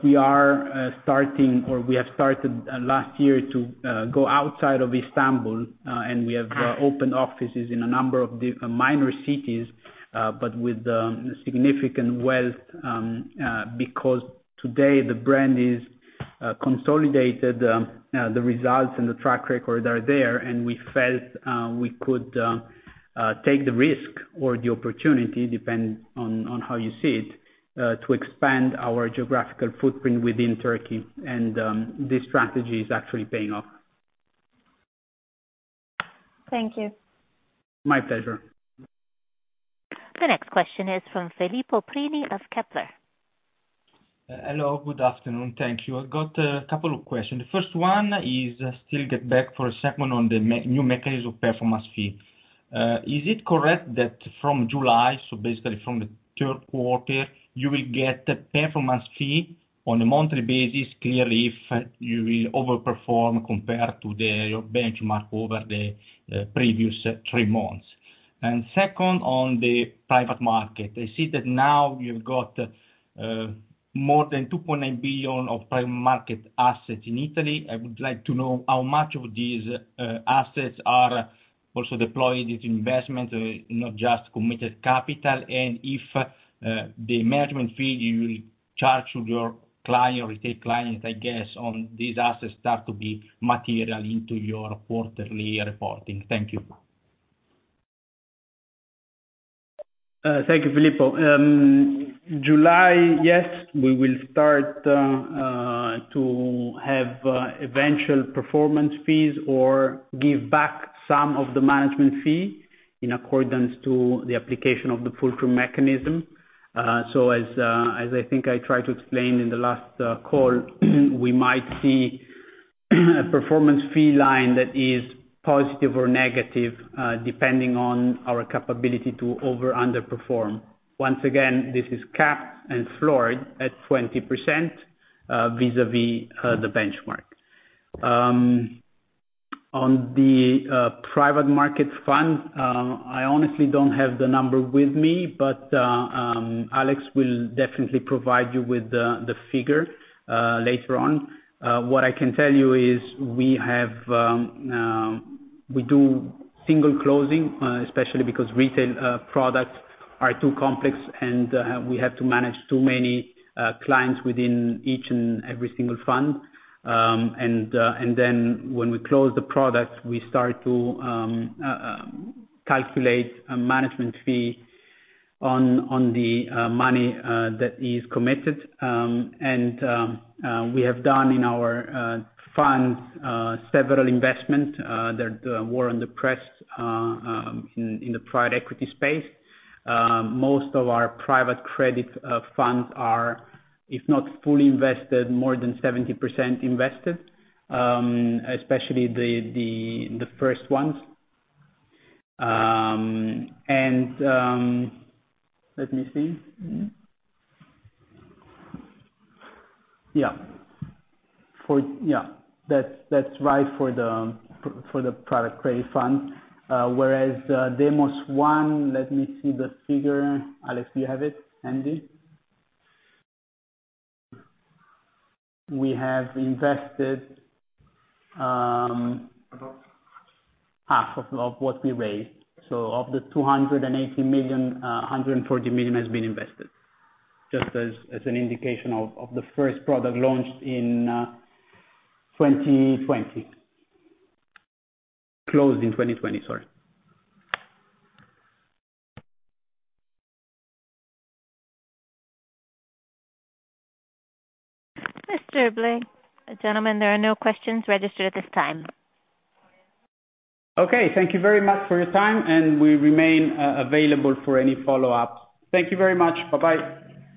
We are starting, or we have started, last year to go outside of Istanbul, and we have opened offices in a number of the major cities, but with significant wealth, because today the brand is consolidated, the results and the track record are there, and we felt we could take the risk or the opportunity, depending on how you see it, to expand our geographical footprint within Turkey. This strategy is actually paying off. Thank you. My pleasure. The next question is from Filippo Prini of Kepler. Hello, good afternoon. Thank you. I've got a couple of questions. The first one is let's get back for a second on the new mechanism performance fee. Is it correct that from July, so basically from the third quarter, you will get the performance fee on a monthly basis, clearly if you will overperform compared to the, your benchmark over the previous three months? Second, on the private market. I see that now you've got more than 2.9 billion of private market assets in Italy. I would like to know how much of these assets are also deployed into investments or not just committed capital. And if the management fee you will charge to your client or retail clients, I guess, on these assets start to be material into your quarterly reporting. Thank you. Thank you, Filippo. July, yes, we will start to have eventual performance fees or give back some of the management fee in accordance to the application of the fulcrum mechanism. As I think I tried to explain in the last call, we might see a performance fee line that is positive or negative, depending on our capability to over, underperform. Once again, this is capped and floored at 20% vis-à-vis the benchmark. On the private markets fund, I honestly don't have the number with me, but Alex will definitely provide you with the figure later on. What I can tell you is we do single closing, especially because retail products are too complex, and we have to manage too many clients within each and every single fund. When we close the product, we start to calculate a management fee on the money that is committed. We have done in our funds several investments. They're more in the private equity space. Most of our private credit funds are, if not fully invested, more than 70% invested, especially the first ones. That's right for the private credit fund. Whereas, Demos 1, let me see the figure. Alex, do you have it handy? We have invested half of what we raised. Of the 280 million, 140 million has been invested, just as an indication of the first product launched in 2020. Closed in 2020, sorry.+ Mr. Blei, gentlemen, there are no questions registered at this time. Okay, thank you very much for your time, and we remain available for any follow-up. Thank you very much. Bye-bye.